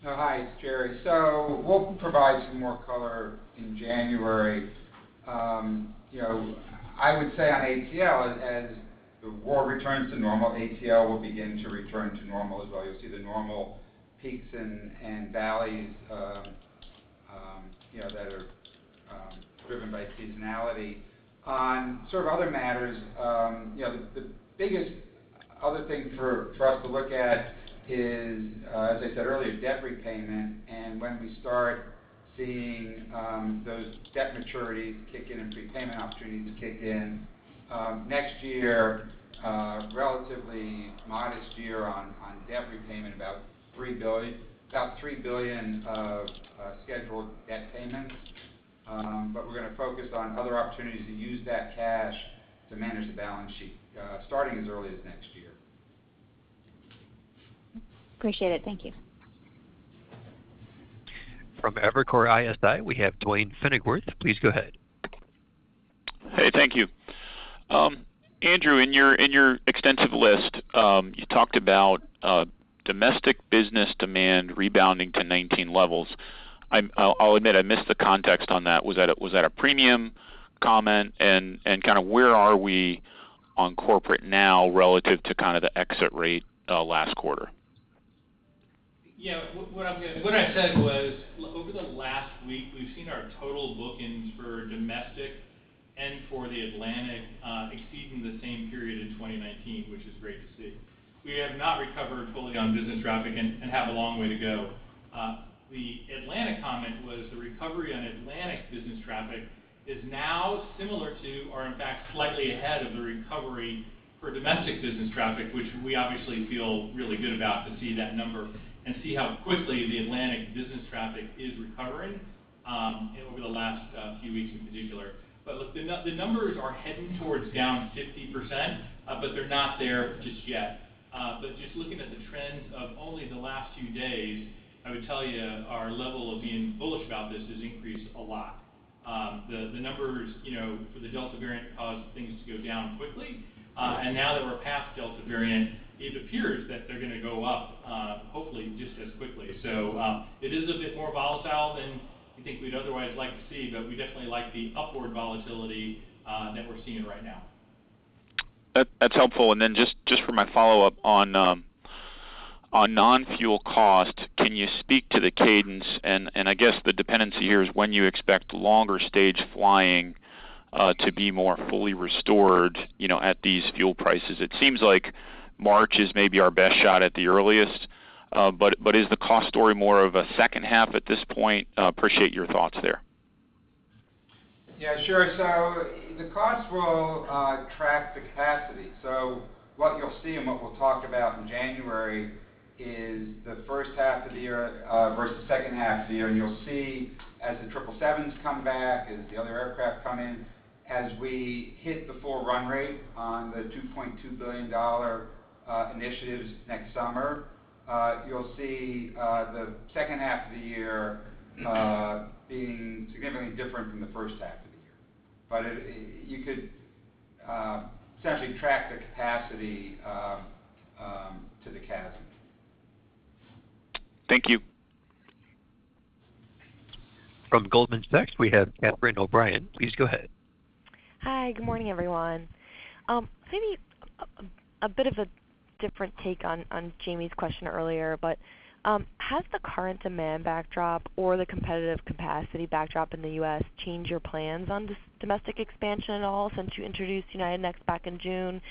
Hi, it's Gerry. We'll provide some more color in January. I would say on ATL, as the world returns to normal, ATL will begin to return to normal as well. You'll see the normal peaks and valleys that are driven by seasonality. On sort of other matters, the biggest other thing for us to look at is, as I said earlier, debt repayment and when we start seeing those debt maturities kick in and prepayment opportunities kick in. Next year, relatively modest year on debt repayment, about $3 billion of scheduled debt payments. We're going to focus on other opportunities to use that cash to manage the balance sheet, starting as early as next year. Appreciate it. Thank you. From Evercore ISI, we have Duane Pfennigwerth. Please go ahead. Hey, thank you. Andrew, in your extensive list, you talked about domestic business demand rebounding to 2019 levels. I'll admit, I missed the context on that. Was that a premium comment? Kind of where are we on corporate now relative to kind of the exit rate last quarter? Yeah. What I said was over the last week, we've seen our total book-ins for domestic and for the Atlantic exceeding the same period in 2019, which is great to see. We have not recovered fully on business traffic and have a long way to go. The Atlantic comment was the recovery on Atlantic business traffic is now similar to, or in fact, slightly ahead of the recovery for domestic business traffic, which we obviously feel really good about to see that number and see how quickly the Atlantic business traffic is recovering, and over the last few weeks in particular. Look, the numbers are heading towards down 50%, but they're not there just yet. Just looking at the trends of only the last few days, I would tell you our level of being bullish about this has increased a lot. The numbers for the Delta variant caused things to go down quickly. Now that we're past Delta variant, it appears that they're going to go up hopefully just as quickly. It is a bit more volatile than I think we'd otherwise like to see. We definitely like the upward volatility that we're seeing right now. That's helpful. Just for my follow-up on non-fuel cost, can you speak to the cadence, and I guess the dependency here is when you expect longer stage flying to be more fully restored at these fuel prices. It seems like March is maybe our best shot at the earliest. Is the cost story more of a second half at this point? Appreciate your thoughts there. Yeah, sure. The costs will track the capacity. What you'll see and what we'll talk about in January is the first half of the year versus the second half of the year. You'll see as the 777s come back, as the other aircraft come in, as we hit the full run rate on the $2.2 billion initiatives next summer, you'll see the second half of the year being significantly different from the first half of the year. You could essentially track the capacity to the CASM. Thank you. From Goldman Sachs, we have Catherine O'Brien. Please go ahead. Hi. Good morning, everyone. Maybe a bit of a different take on Jamie's question earlier, but has the current demand backdrop or the competitive capacity backdrop in the U.S. changed your plans on domestic expansion at all since you introduced United Next back in June?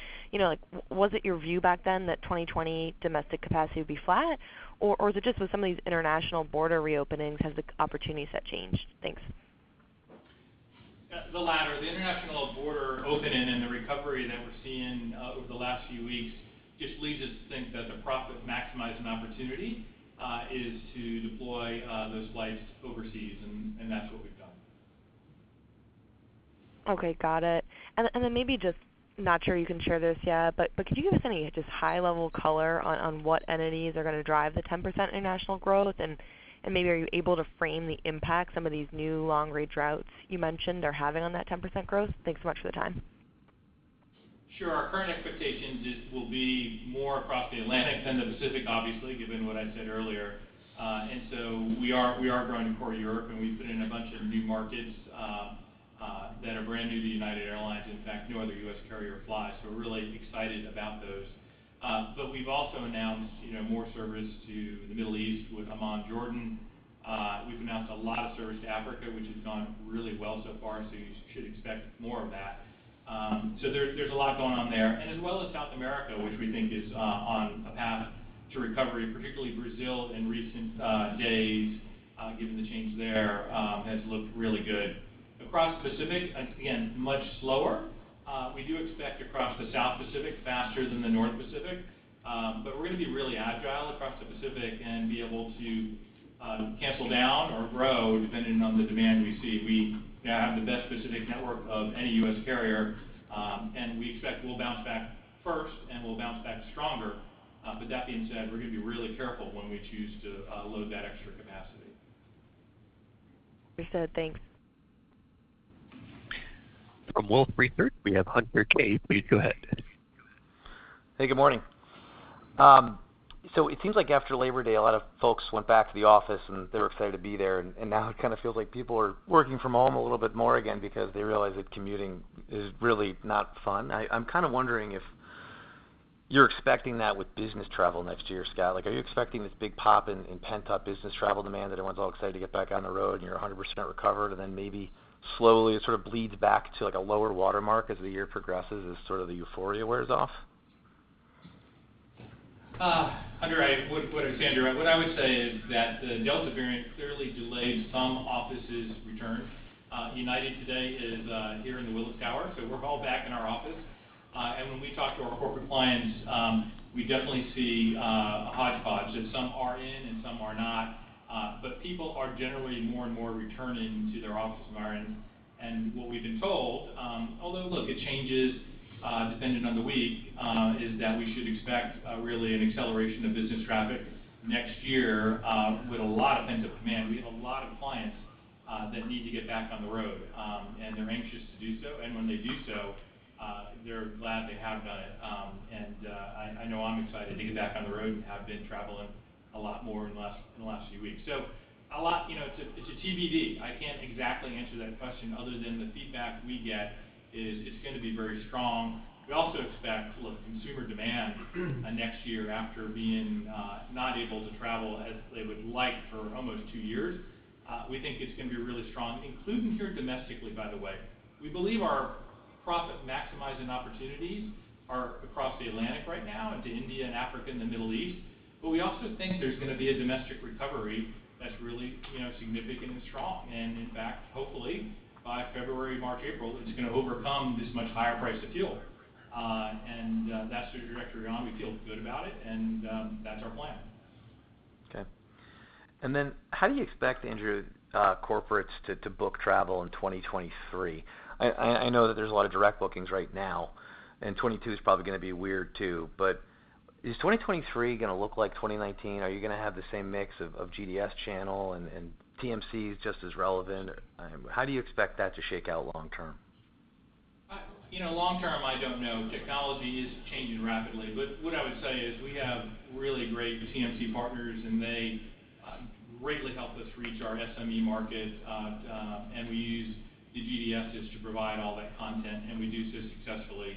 Was it your view back then that 2020 domestic capacity would be flat, or is it just with some of these international border reopenings has the opportunity set changed? Thanks. The latter. The international border opening and the recovery that we're seeing over the last few weeks just leads us to think that the profit maximizing opportunity is to deploy those flights overseas, and that's what we've done. Okay. Got it. Maybe just, not sure you can share this yet, but could you give us any just high level color on what entities are going to drive the 10% international growth? Maybe are you able to frame the impact some of these new long-range routes you mentioned are having on that 10% growth? Thanks so much for the time. Sure. Our current expectations will be more across the Atlantic than the Pacific, obviously, given what I said earlier. We are growing core Europe, and we've put in a bunch of new markets that are brand new to United Airlines. In fact, no other U.S. carrier flies, so we're really excited about those. We've also announced more service to the Middle East with Amman, Jordan. We've announced a lot of service to Africa, which has gone really well so far, so you should expect more of that. There's a lot going on there. As well as South America, which we think is on a path to recovery, particularly Brazil in recent days, given the change there has looked really good. Across Pacific, again, much slower. We do expect across the South Pacific faster than the North Pacific. We're going to be really agile across the Pacific and be able to cancel down or grow depending on the demand we see. We now have the best Pacific network of any U.S. carrier. We expect we'll bounce back first, and we'll bounce back stronger. That being said, we're going to be really careful when we choose to load that extra capacity. Understood. Thanks. From Wolfe Research, we have Hunter Keay. Please go ahead. Hey, good morning. It seems like after Labor Day, a lot of folks went back to the office, and they were excited to be there, and now it kind of feels like people are working from home a little bit more again because they realize that commuting is really not fun. I'm kind of wondering if you're expecting that with business travel next year, Scott. Are you expecting this big pop in pent-up business travel demand that everyone's all excited to get back on the road, and you're 100% recovered, and then maybe slowly it sort of bleeds back to a lower watermark as the year progresses as sort of the euphoria wears off? Hunter, I would put Andrew. What I would say is that the Delta variant clearly delayed some offices' return. United today is here in the Willis Tower. We're all back in our office. When we talk to our corporate clients, we definitely see a hodgepodge that some are in and some are not. People are generally more and more returning to their office environment. What we've been told, although, look, it changes depending on the week, is that we should expect really an acceleration of business traffic next year with a lot of pent-up demand. We have a lot of clients that need to get back on the road, and they're anxious to do so. When they do so, they're glad they have done it. I know I'm excited to get back on the road and have been traveling a lot more in the last few weeks. It's a TBD. I can't exactly answer that question other than the feedback we get is it's going to be very strong. We also expect, look, consumer demand next year after being not able to travel as they would like for almost two years. We think it's going to be really strong, including here domestically, by the way. We believe our profit maximizing opportunities are across the Atlantic right now and to India and Africa and the Middle East. We also think there's going to be a domestic recovery that's really significant and strong. In fact, hopefully, by February, March, April, it's going to overcome this much higher price of fuel. That's the trajectory we're on. We feel good about it, and that's our plan. Okay. How do you expect, Andrew, corporates to book travel in 2023? I know that there's a lot of direct bookings right now, and 2022 is probably going to be weird too. Is 2023 going to look like 2019? Are you going to have the same mix of GDS channel and TMCs just as relevant? How do you expect that to shake out long term? Long term, I don't know. Technology is changing rapidly. What I would say is we have really great TMC partners, and they greatly help us reach our SME market, and we use the GDSs to provide all that content, and we do so successfully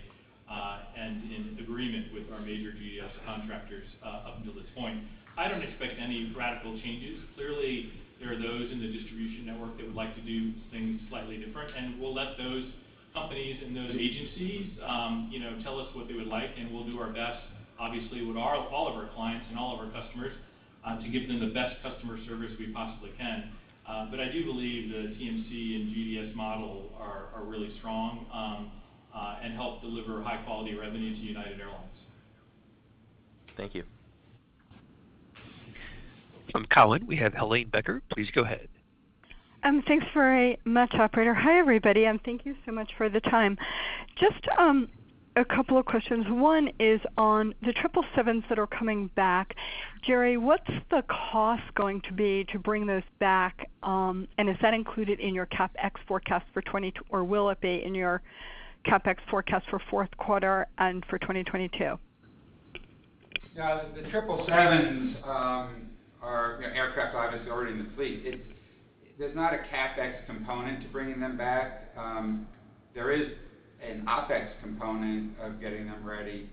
and in agreement with our major GDS contractors up until this point. I don't expect any radical changes. Clearly, there are those in the distribution network that would like to do things slightly different, and we'll let those companies and those agencies tell us what they would like, and we'll do our best, obviously, with all of our clients and all of our customers to give them the best customer service we possibly can. I do believe the TMC and GDS model are really strong and help deliver high-quality revenue to United Airlines. Thank you. From Cowen, we have Helane Becker. Please go ahead. Thanks very much, operator. Hi, everybody, and thank you so much for the time. Just a couple of questions. One is on the 777s that are coming back. Gerry, what's the cost going to be to bring those back? Is that included in your CapEx forecast, or will it be in your CapEx forecast for fourth quarter and for 2022? Yeah. The 777s are aircraft obviously already in the fleet. There's not a CapEx component to bringing them back. There is an OpEx component of getting them ready.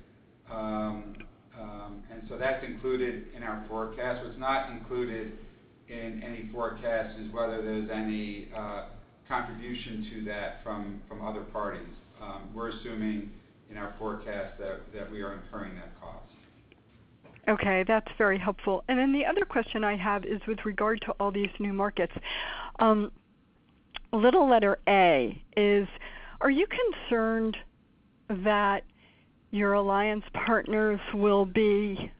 That's included in our forecast. What's not included in any forecast is whether there's any contribution to that from other parties. We're assuming in our forecast that we are incurring that cost. Okay. That's very helpful. The other question I have is with regard to all these new markets. Little letter A is: are you concerned that your alliance partners will be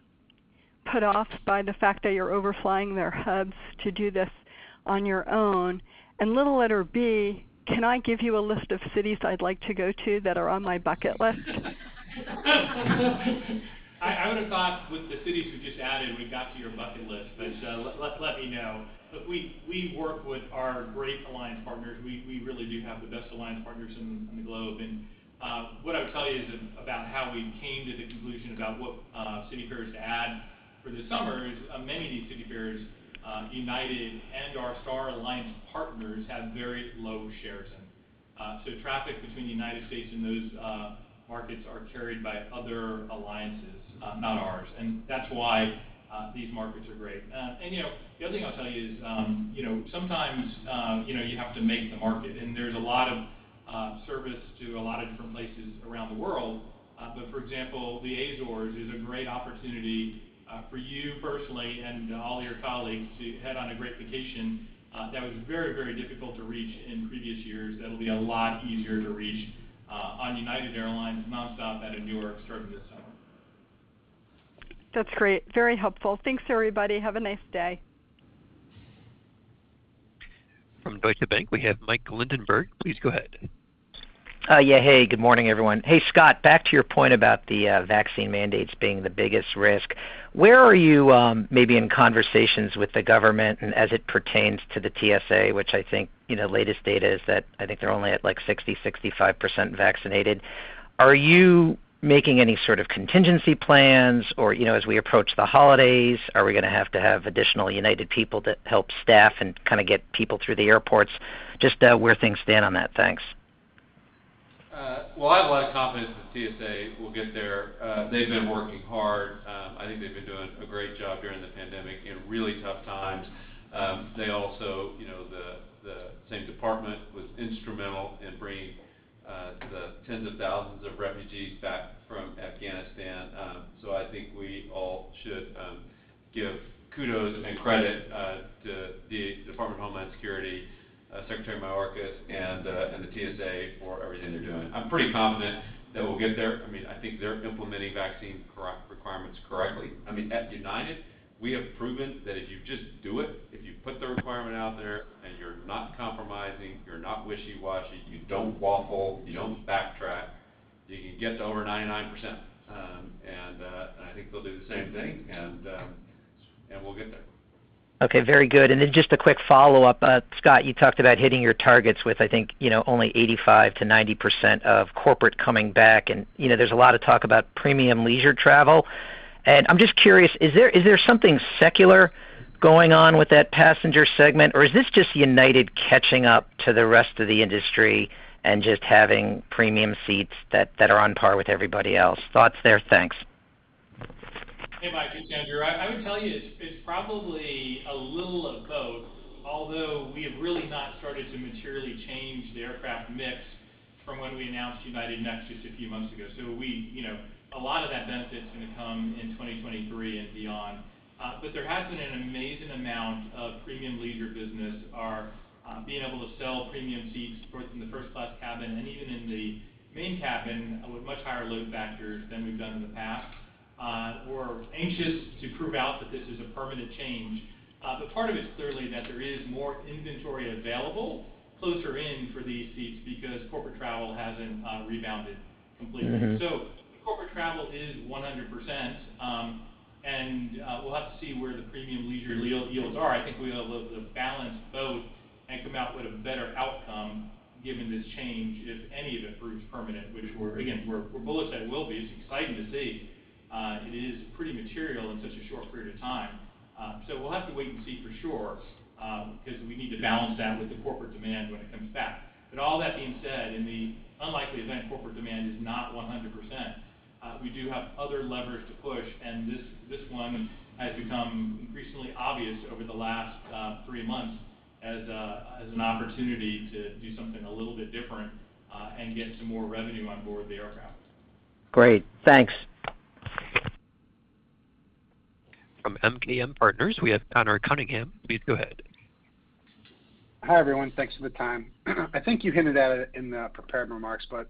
put off by the fact that you're overflying their hubs to do this on your own? Little letter B: can I give you a list of cities I'd like to go to that are on my bucket list? I would have thought with the cities we just added, we got to your bucket list, but let me know. We work with our great alliance partners. We really do have the best alliance partners on the globe. What I would tell you is about how we came to the conclusion about what city pairs to add for the summer is many of these city pairs, United and our Star Alliance partners have very low shares in. Traffic between the U.S. and those markets are carried by other alliances, not ours. That's why these markets are great. The other thing I'll tell you is, sometimes you have to make the market, and there's a lot of service to a lot of different places around the world. For example, the Azores is a great opportunity for you personally and all your colleagues to head on a great vacation that was very difficult to reach in previous years, that'll be a lot easier to reach on United Airlines, non-stop out of Newark starting this summer. That's great. Very helpful. Thanks, everybody. Have a nice day. From Deutsche Bank, we have Michael Linenberg. Please go ahead. Yeah. Hey, good morning, everyone. Hey, Scott, back to your point about the vaccine mandates being the biggest risk. Where are you maybe in conversations with the government and as it pertains to the TSA, which latest data is that they're only at like 60%, 65% vaccinated. Are you making any sort of contingency plans or, as we approach the holidays, are we going to have to have additional United people to help staff and kind of get people through the airports? Just where things stand on that. Thanks. Well, I have a lot of confidence that TSA will get there. They've been working hard. I think they've been doing a great job during the pandemic in really tough times. The same department was instrumental in bringing the tens of thousands of refugees back from Afghanistan. I think we all should give kudos and credit to the Department of Homeland Security, Secretary Mayorkas, and the TSA for everything they're doing. I'm pretty confident that we'll get there. I think they're implementing vaccine requirements correctly. At United, we have proven that if you just do it, if you put the requirement out there, and you're not compromising, you're not wishy-washy, you don't waffle, you don't backtrack, you can get to over 99%. I think they'll do the same thing, and we'll get there. Okay. Very good. Just a quick follow-up. Scott, you talked about hitting your targets with, I think, only 85%-90% of corporate coming back, and there's a lot of talk about premium leisure travel. I'm just curious, is there something secular going on with that passenger segment, or is this just United catching up to the rest of the industry and just having premium seats that are on par with everybody else? Thoughts there. Thanks. Hey, Mike. It's Andrew. I would tell you, it's probably a little of both, although we have really not started to materially change the aircraft mix from when we announced United Next just a few months ago. A lot of that benefit's going to come in 2023 and beyond. There has been an amazing amount of premium leisure business, our being able to sell premium seats both in the first class cabin and even in the main cabin with much higher load factors than we've done in the past. We're anxious to prove out that this is a permanent change. Part of it's clearly that there is more inventory available closer in for these seats because corporate travel hasn't rebounded completely. If corporate travel is 100%, and we'll have to see where the premium leisure yields are. I think we'll be able to balance both and come out with a better outcome given this change, if any of it proves permanent, which we're bullish that it will be. It's exciting to see. It is pretty material in such a short period of time. We'll have to wait and see for sure, because we need to balance that with the corporate demand when it comes back. All that being said, in the unlikely event corporate demand is not 100%. We do have other levers to push, and this one has become increasingly obvious over the last three months as an opportunity to do something a little bit different and get some more revenue on board the aircraft. Great. Thanks. From MKM Partners, we have Conor Cunningham. Please go ahead. Hi, everyone. Thanks for the time. I think you hinted at it in the prepared remarks, but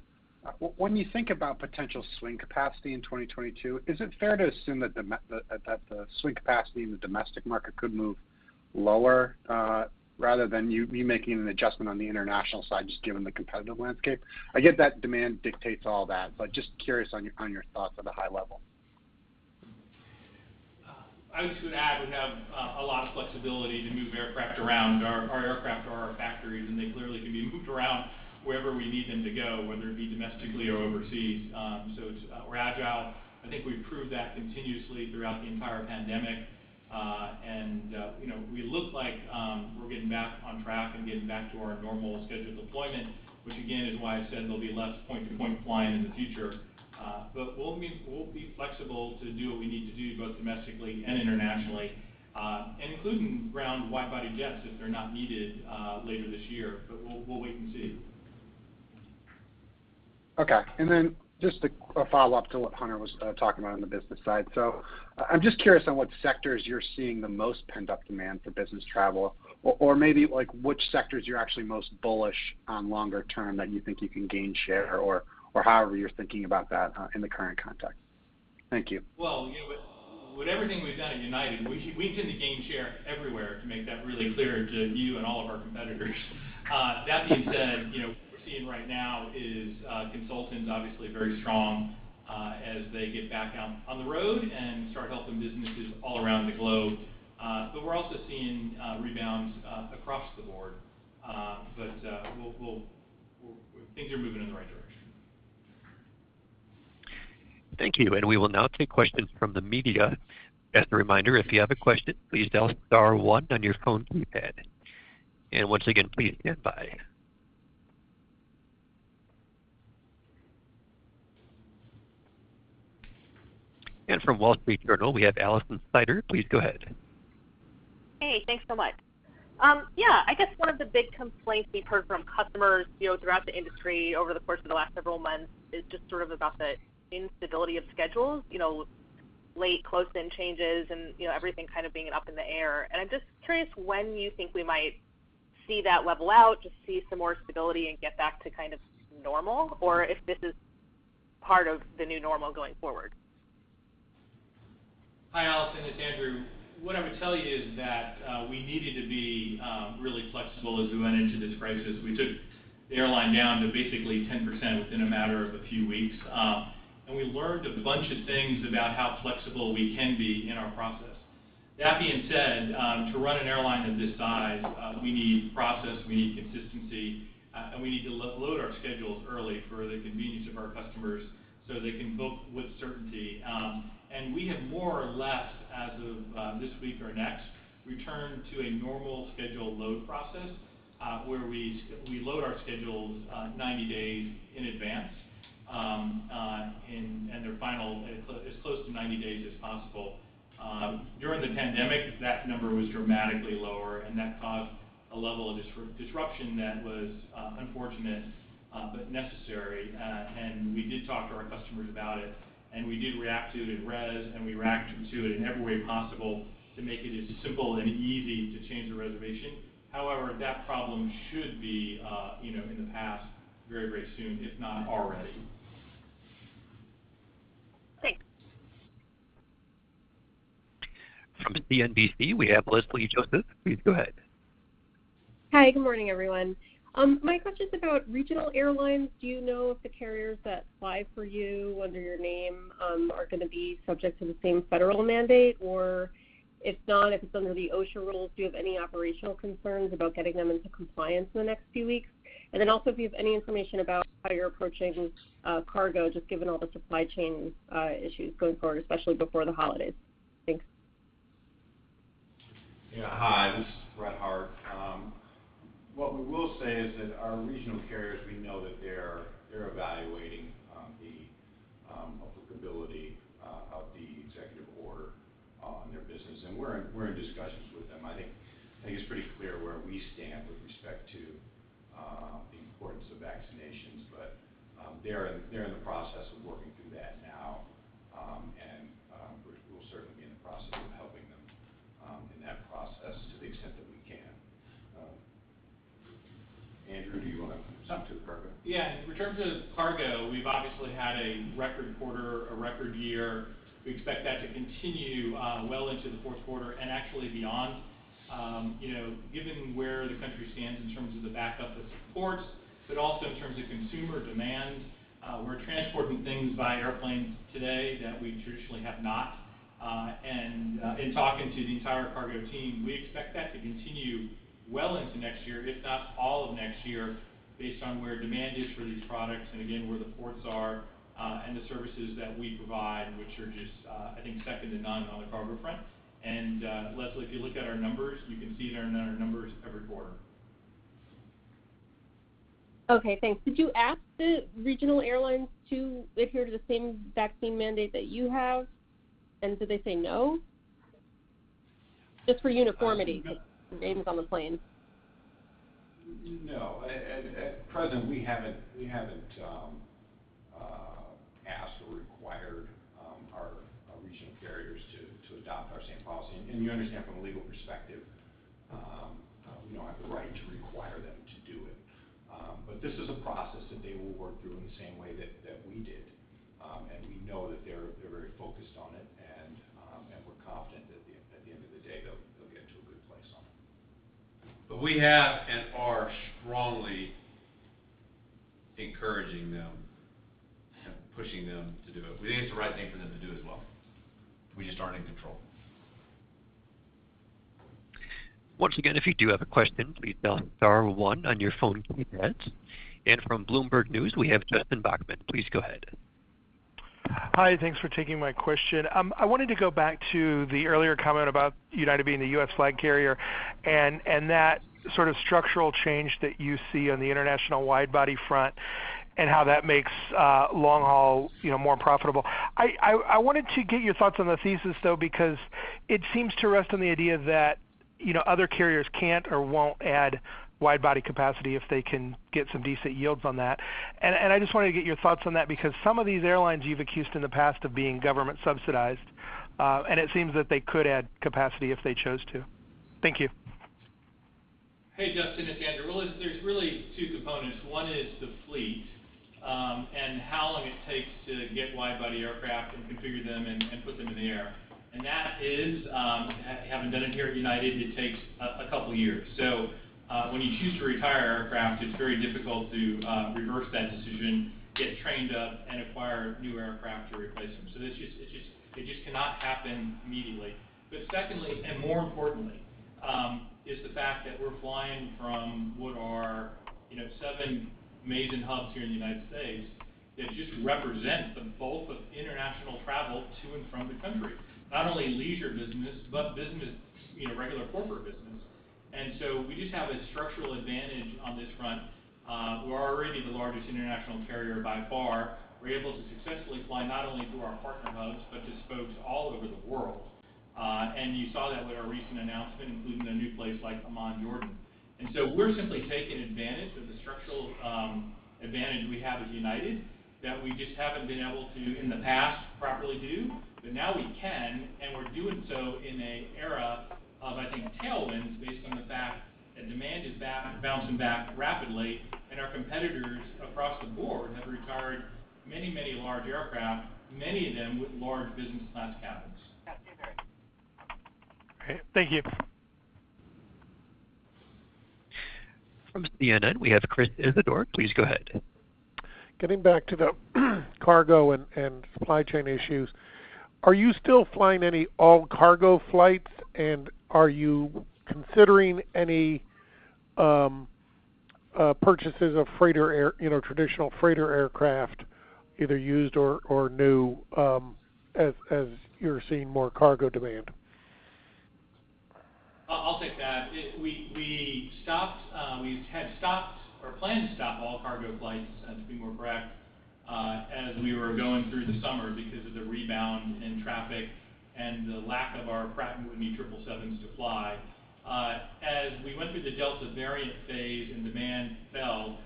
when you think about potential swing capacity in 2022, is it fair to assume that the swing capacity in the domestic market could move lower rather than you making an adjustment on the international side, just given the competitive landscape? I get that demand dictates all that, but just curious on your thoughts at a high level. I just would add, we have a lot of flexibility to move our aircraft around our factories, and they clearly can be moved around wherever we need them to go, whether it be domestically or overseas. We're agile. I think we've proved that continuously throughout the entire pandemic. We look like we're getting back on track and getting back to our normal scheduled deployment, which again, is why I said there'll be less point-to-point flying in the future. We'll be flexible to do what we need to do, both domestically and internationally, including ground wide-body jets if they're not needed later this year. We'll wait and see. Okay. Just a follow-up to what Hunter was talking about on the business side. I'm just curious on what sectors you're seeing the most pent-up demand for business travel, or maybe which sectors you're actually most bullish on longer term that you think you can gain share or however you're thinking about that in the current context. Thank you. With everything we've done at United, we tend to gain share everywhere, to make that really clear to you and all of our competitors. That being said, what we're seeing right now is consultants obviously very strong as they get back out on the road and start helping businesses all around the globe. We're also seeing rebounds across the board. Things are moving in the right direction. Thank you. We will now take questions from the media. As a reminder, if you have a question, please dial star 1 on your phone keypad. Once again, please stand by. From The Wall Street Journal, we have Alison Sider. Please go ahead. Hey, thanks so much. I guess one of the big complaints we've heard from customers throughout the industry over the course of the last several months is just sort of about the instability of schedules, late close-in changes and everything kind of being up in the air. I'm just curious when you think we might see that level out, just see some more stability and get back to kind of normal, or if this is part of the new normal going forward. Hi, Alison. It's Andrew. What I would tell you is that we needed to be really flexible as we went into this crisis. We took the airline down to basically 10% within a matter of a few weeks, and we learned a bunch of things about how flexible we can be in our process. That being said, to run an airline of this size we need process, we need consistency, and we need to load our schedules early for the convenience of our customers so they can book with certainty. We have more or less, as of this week or next, returned to a normal schedule load process where we load our schedules 90 days in advance. They're final as close to 90 days as possible. During the pandemic, that number was dramatically lower, and that caused a level of disruption that was unfortunate but necessary. We did talk to our customers about it, and we did react to it in res, and we reacted to it in every way possible to make it as simple and easy to change a reservation. However, that problem should be in the past very soon, if not already. Thanks. From CNBC, we have Leslie Josephs. Please go ahead. Hi, good morning, everyone. My question's about regional airlines. Do you know if the carriers that fly for you under your name are going to be subject to the same federal mandate? If not, if it's under the OSHA rules, do you have any operational concerns about getting them into compliance in the next few weeks? Also, if you have any information about how you're approaching cargo, just given all the supply chain issues going forward, especially before the holidays. Thanks. Hi, this is Brett Hart. What we will say is that our regional carriers, we know that they're evaluating the applicability of the executive order on their business, and we're in discussions with them. I think it's pretty clear where we stand with respect to the importance of vaccinations. They're in the process of working through that now, and we'll certainly be in the process of helping them in that process to the extent that we can. Andrew, do you want to add something to the cargo? Yeah. In terms of cargo, we've obviously had a record quarter, a record year. We expect that to continue well into the fourth quarter and actually beyond. Given where the country stands in terms of the backup that supports, but also in terms of consumer demand, we're transporting things by airplanes today that we traditionally have not. In talking to the entire cargo team, we expect that to continue well into next year, if not all of next year, based on where demand is for these products and again, where the ports are and the services that we provide, which are just, I think, second to none on the cargo front. Leslie, if you look at our numbers, you can see it in our numbers every quarter. Okay, thanks. Did you ask the regional airlines to adhere to the same vaccine mandate that you have? Did they say no? I think that- for names on the planes. No. At present, we haven't asked or required our regional carriers to adopt our same policy. You understand from a legal perspective, we don't have the right to require them to do it. This is a process that they will work through in the same way that we did. We know that they're very focused on it, and we're confident that at the end of the day, they'll get to a good place on it. We have and are strongly encouraging them and pushing them to do it. We think it's the right thing for them to do as well. We just aren't in control. Once again, if you do have a question, please dial star one on your phone keypads. From Bloomberg News, we have Justin Bachman. Please go ahead. Hi. Thanks for taking my question. I wanted to go back to the earlier comment about United being the U.S. flag carrier and that sort of structural change that you see on the international wide-body front, and how that makes long haul more profitable. I wanted to get your thoughts on the thesis, though, because it seems to rest on the idea that other carriers can't or won't add wide-body capacity if they can get some decent yields on that. I just wanted to get your thoughts on that because some of these airlines you've accused in the past of being government subsidized, and it seems that they could add capacity if they chose to. Thank you. Hey, Justin. It's Andrew. There's really two components. One is the fleet, and how long it takes to get wide-body aircraft and configure them and put them in the air. That is, having done it here at United, it takes a couple years. When you choose to retire aircraft, it's very difficult to reverse that decision, get trained up, and acquire new aircraft to replace them. It just cannot happen immediately. Secondly, and more importantly, is the fact that we're flying from what are seven amazing hubs here in the U.S. that just represent the bulk of international travel to and from the country, not only leisure business, but business, regular corporate business. We just have a structural advantage on this front. We're already the largest international carrier by far. We're able to successfully fly not only to our partner hubs, but to spokes all over the world. You saw that with our recent announcement, including a new place like Amman, Jordan. We're simply taking advantage of the structural advantage we have as United that we just haven't been able to, in the past, properly do. Now we can, and we're doing so in an era of, I think, tailwinds, based on the fact that demand is bouncing back rapidly, and our competitors across the board have retired many, many large aircraft, many of them with large business class cabins. Okay. Thank you. From CNN, we have Chris Isidore. Please go ahead. Getting back to the cargo and supply chain issues, are you still flying any all-cargo flights? Are you considering any purchases of traditional freighter aircraft, either used or new, as you're seeing more cargo demand? I'll take that. We had stopped or planned to stop all cargo flights, to be more correct, as we were going through the summer because of the rebound in traffic and the lack of our Pratt & Whitney 777s to fly. As we went through the Delta variant phase and demand fell,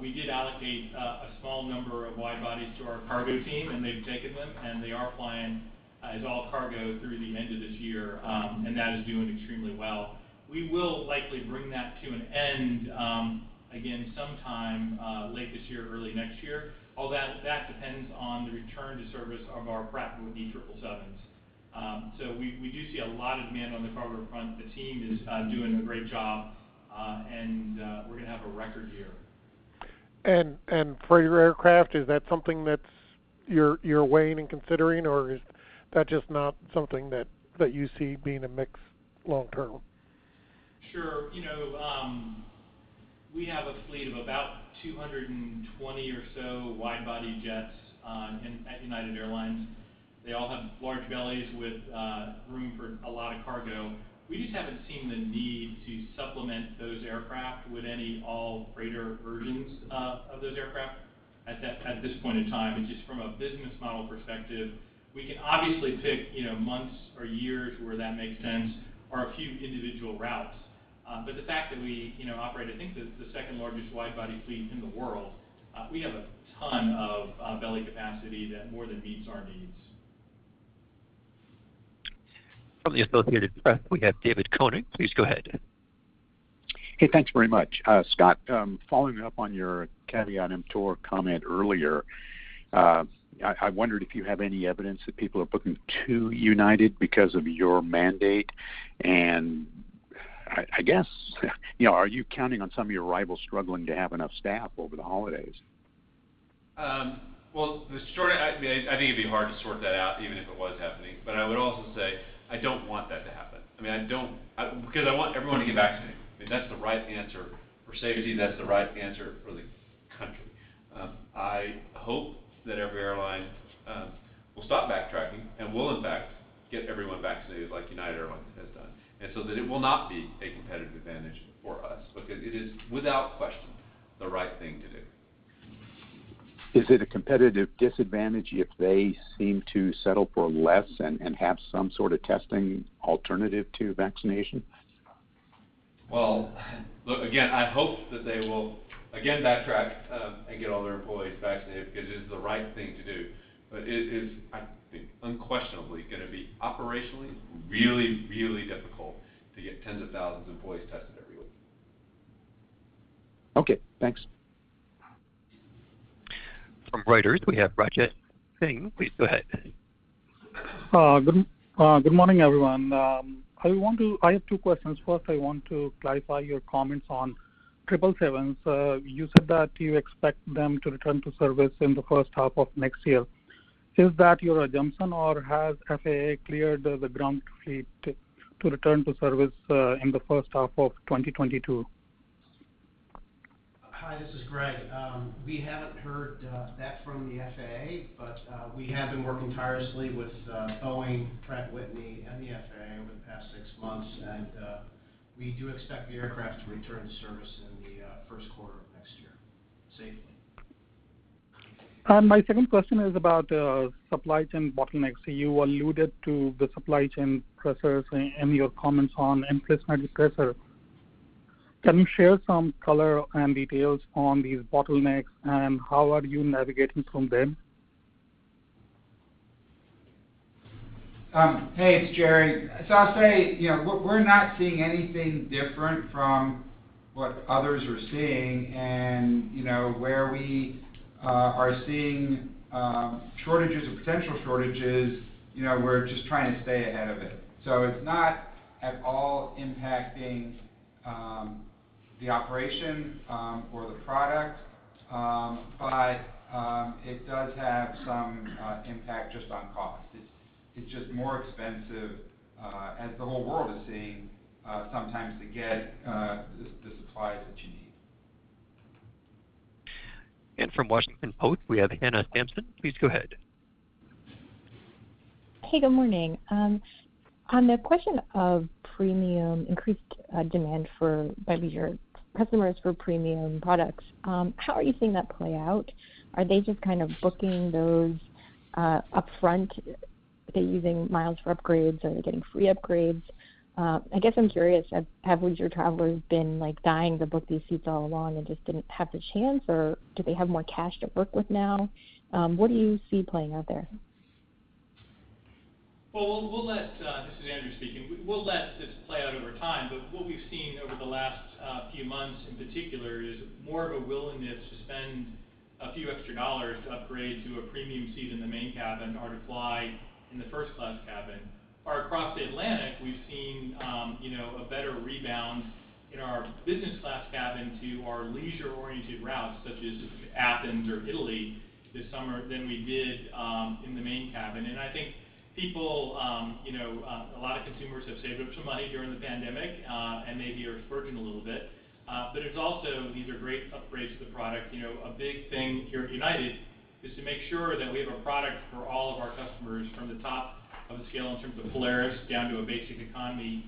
we did allocate a small number of wide bodies to our cargo team, and they've taken them, and they are flying as all cargo through the end of this year. That is doing extremely well. We will likely bring that to an end again sometime late this year or early next year, although that depends on the return to service of our Pratt & Whitney 777s. We do see a lot of demand on the cargo front. The team is doing a great job. We're going to have a record year. Freighter aircraft, is that something that you're weighing and considering, or is that just not something that you see being a mix long term? Sure. We have a fleet of about 220 or so wide-body jets at United Airlines. They all have large bellies with room for a lot of cargo. We just haven't seen the need to supplement those aircraft with any all-freighter versions of those aircraft at this point in time. Just from a business model perspective, we can obviously pick months or years where that makes sense or a few individual routes. The fact that we operate, I think, the second-largest wide-body fleet in the world, we have a ton of belly capacity that more than meets our needs. From the Associated Press, we have David Koenig. Please go ahead. Hey, thanks very much. Scott, following up on your caveat emptor comment earlier, I wondered if you have any evidence that people are booking to United because of your mandate. I guess, are you counting on some of your rivals struggling to have enough staff over the holidays? Well, I think it'd be hard to sort that out even if it was happening. I would also say I don't want that to happen. I want everyone to get vaccinated. That's the right answer for safety, and that's the right answer for the country. I hope that every airline will stop backtracking and will in fact get everyone vaccinated like United Airlines has done, and so that it will not be a competitive advantage for us because it is, without question, the right thing to do. Is it a competitive disadvantage if they seem to settle for less and have some sort of testing alternative to vaccination? Well, look, again, I hope that they will, again, backtrack and get all their employees vaccinated because it is the right thing to do. It is, I think, unquestionably going to be operationally really, really difficult to get tens of thousands of employees tested every week. Okay, thanks. From Reuters, we have Rajesh Kumar Singh. Please go ahead. Good morning, everyone. I have two questions. First, I want to clarify your comments on 777s. You said that you expect them to return to service in the first half of next year. Is that your assumption, or has FAA cleared the ground fleet to return to service in the first half of 2022? Hi, this is Greg. We haven't heard that from the FAA, but we have been working tirelessly with Boeing, Pratt & Whitney, and the FAA over the past six months, and we do expect the aircraft to return to service in the first quarter of next year safely. My second question is about supply chain bottlenecks. You alluded to the supply chain pressures in your comments on employment pressure. Can you share some color and details on these bottlenecks, and how are you navigating from them? Hey, it's Gerry. I'll say, we're not seeing anything different from what others are seeing and where we are seeing shortages or potential shortages, we're just trying to stay ahead of it. It's not at all impacting the operation or the product, but it does have some impact just on cost. It's just more expensive as the whole world is seeing sometimes to get the supplies that you need. From The Washington Post, we have Hannah Sampson. Please go ahead. Hey, good morning. On the question of premium, increased demand for leisure customers for premium products, how are you seeing that play out? Are they just kind of booking those upfront? Are they using miles for upgrades? Are they getting free upgrades? I guess I'm curious, have leisure travelers been dying to book these seats all along and just didn't have the chance, or do they have more cash to work with now? What do you see playing out there? Well, this is Andrew speaking. What we've seen over the last few months in particular is more of a willingness to spend a few extra dollars to upgrade to a premium seat in the main cabin or to fly in the first class cabin. Across the Atlantic, we've seen a better rebound in our business class cabin to our leisure-oriented routes, such as Athens or Italy this summer, than we did in the main cabin. I think a lot of consumers have saved up some money during the pandemic and maybe are splurging a little bit. It's also these are great upgrades to the product. A big thing here at United is to make sure that we have a product for all of our customers, from the top of the scale in terms of Polaris down to a basic economy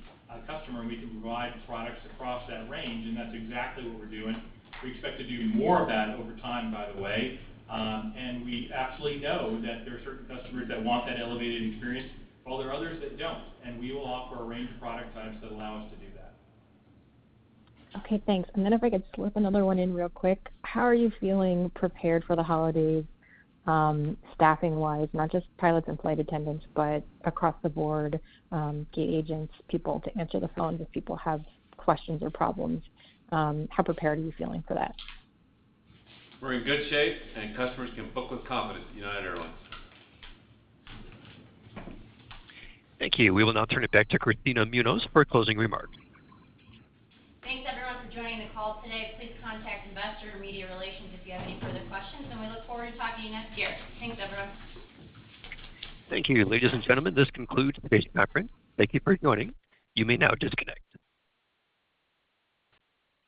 customer, and we can provide products across that range, and that's exactly what we're doing. We expect to do more of that over time, by the way. We absolutely know that there are certain customers that want that elevated experience, while there are others that don't, and we will offer a range of product types that allow us to do that. Okay, thanks. If I could slip another one in real quick. How are you feeling prepared for the holidays staffing-wise, not just pilots and flight attendants, but across the board, gate agents, people to answer the phones if people have questions or problems? How prepared are you feeling for that? We're in good shape, and customers can book with confidence at United Airlines. Thank you. We will now turn it back to Kristina Munoz for a closing remark. Thanks, everyone, for joining the call today. Please contact Investor or Media Relations if you have any further questions, and we look forward to talking to you next year. Thanks, everyone. Thank you. Ladies and gentlemen, this concludes today's conference. Thank you for joining. You may now disconnect.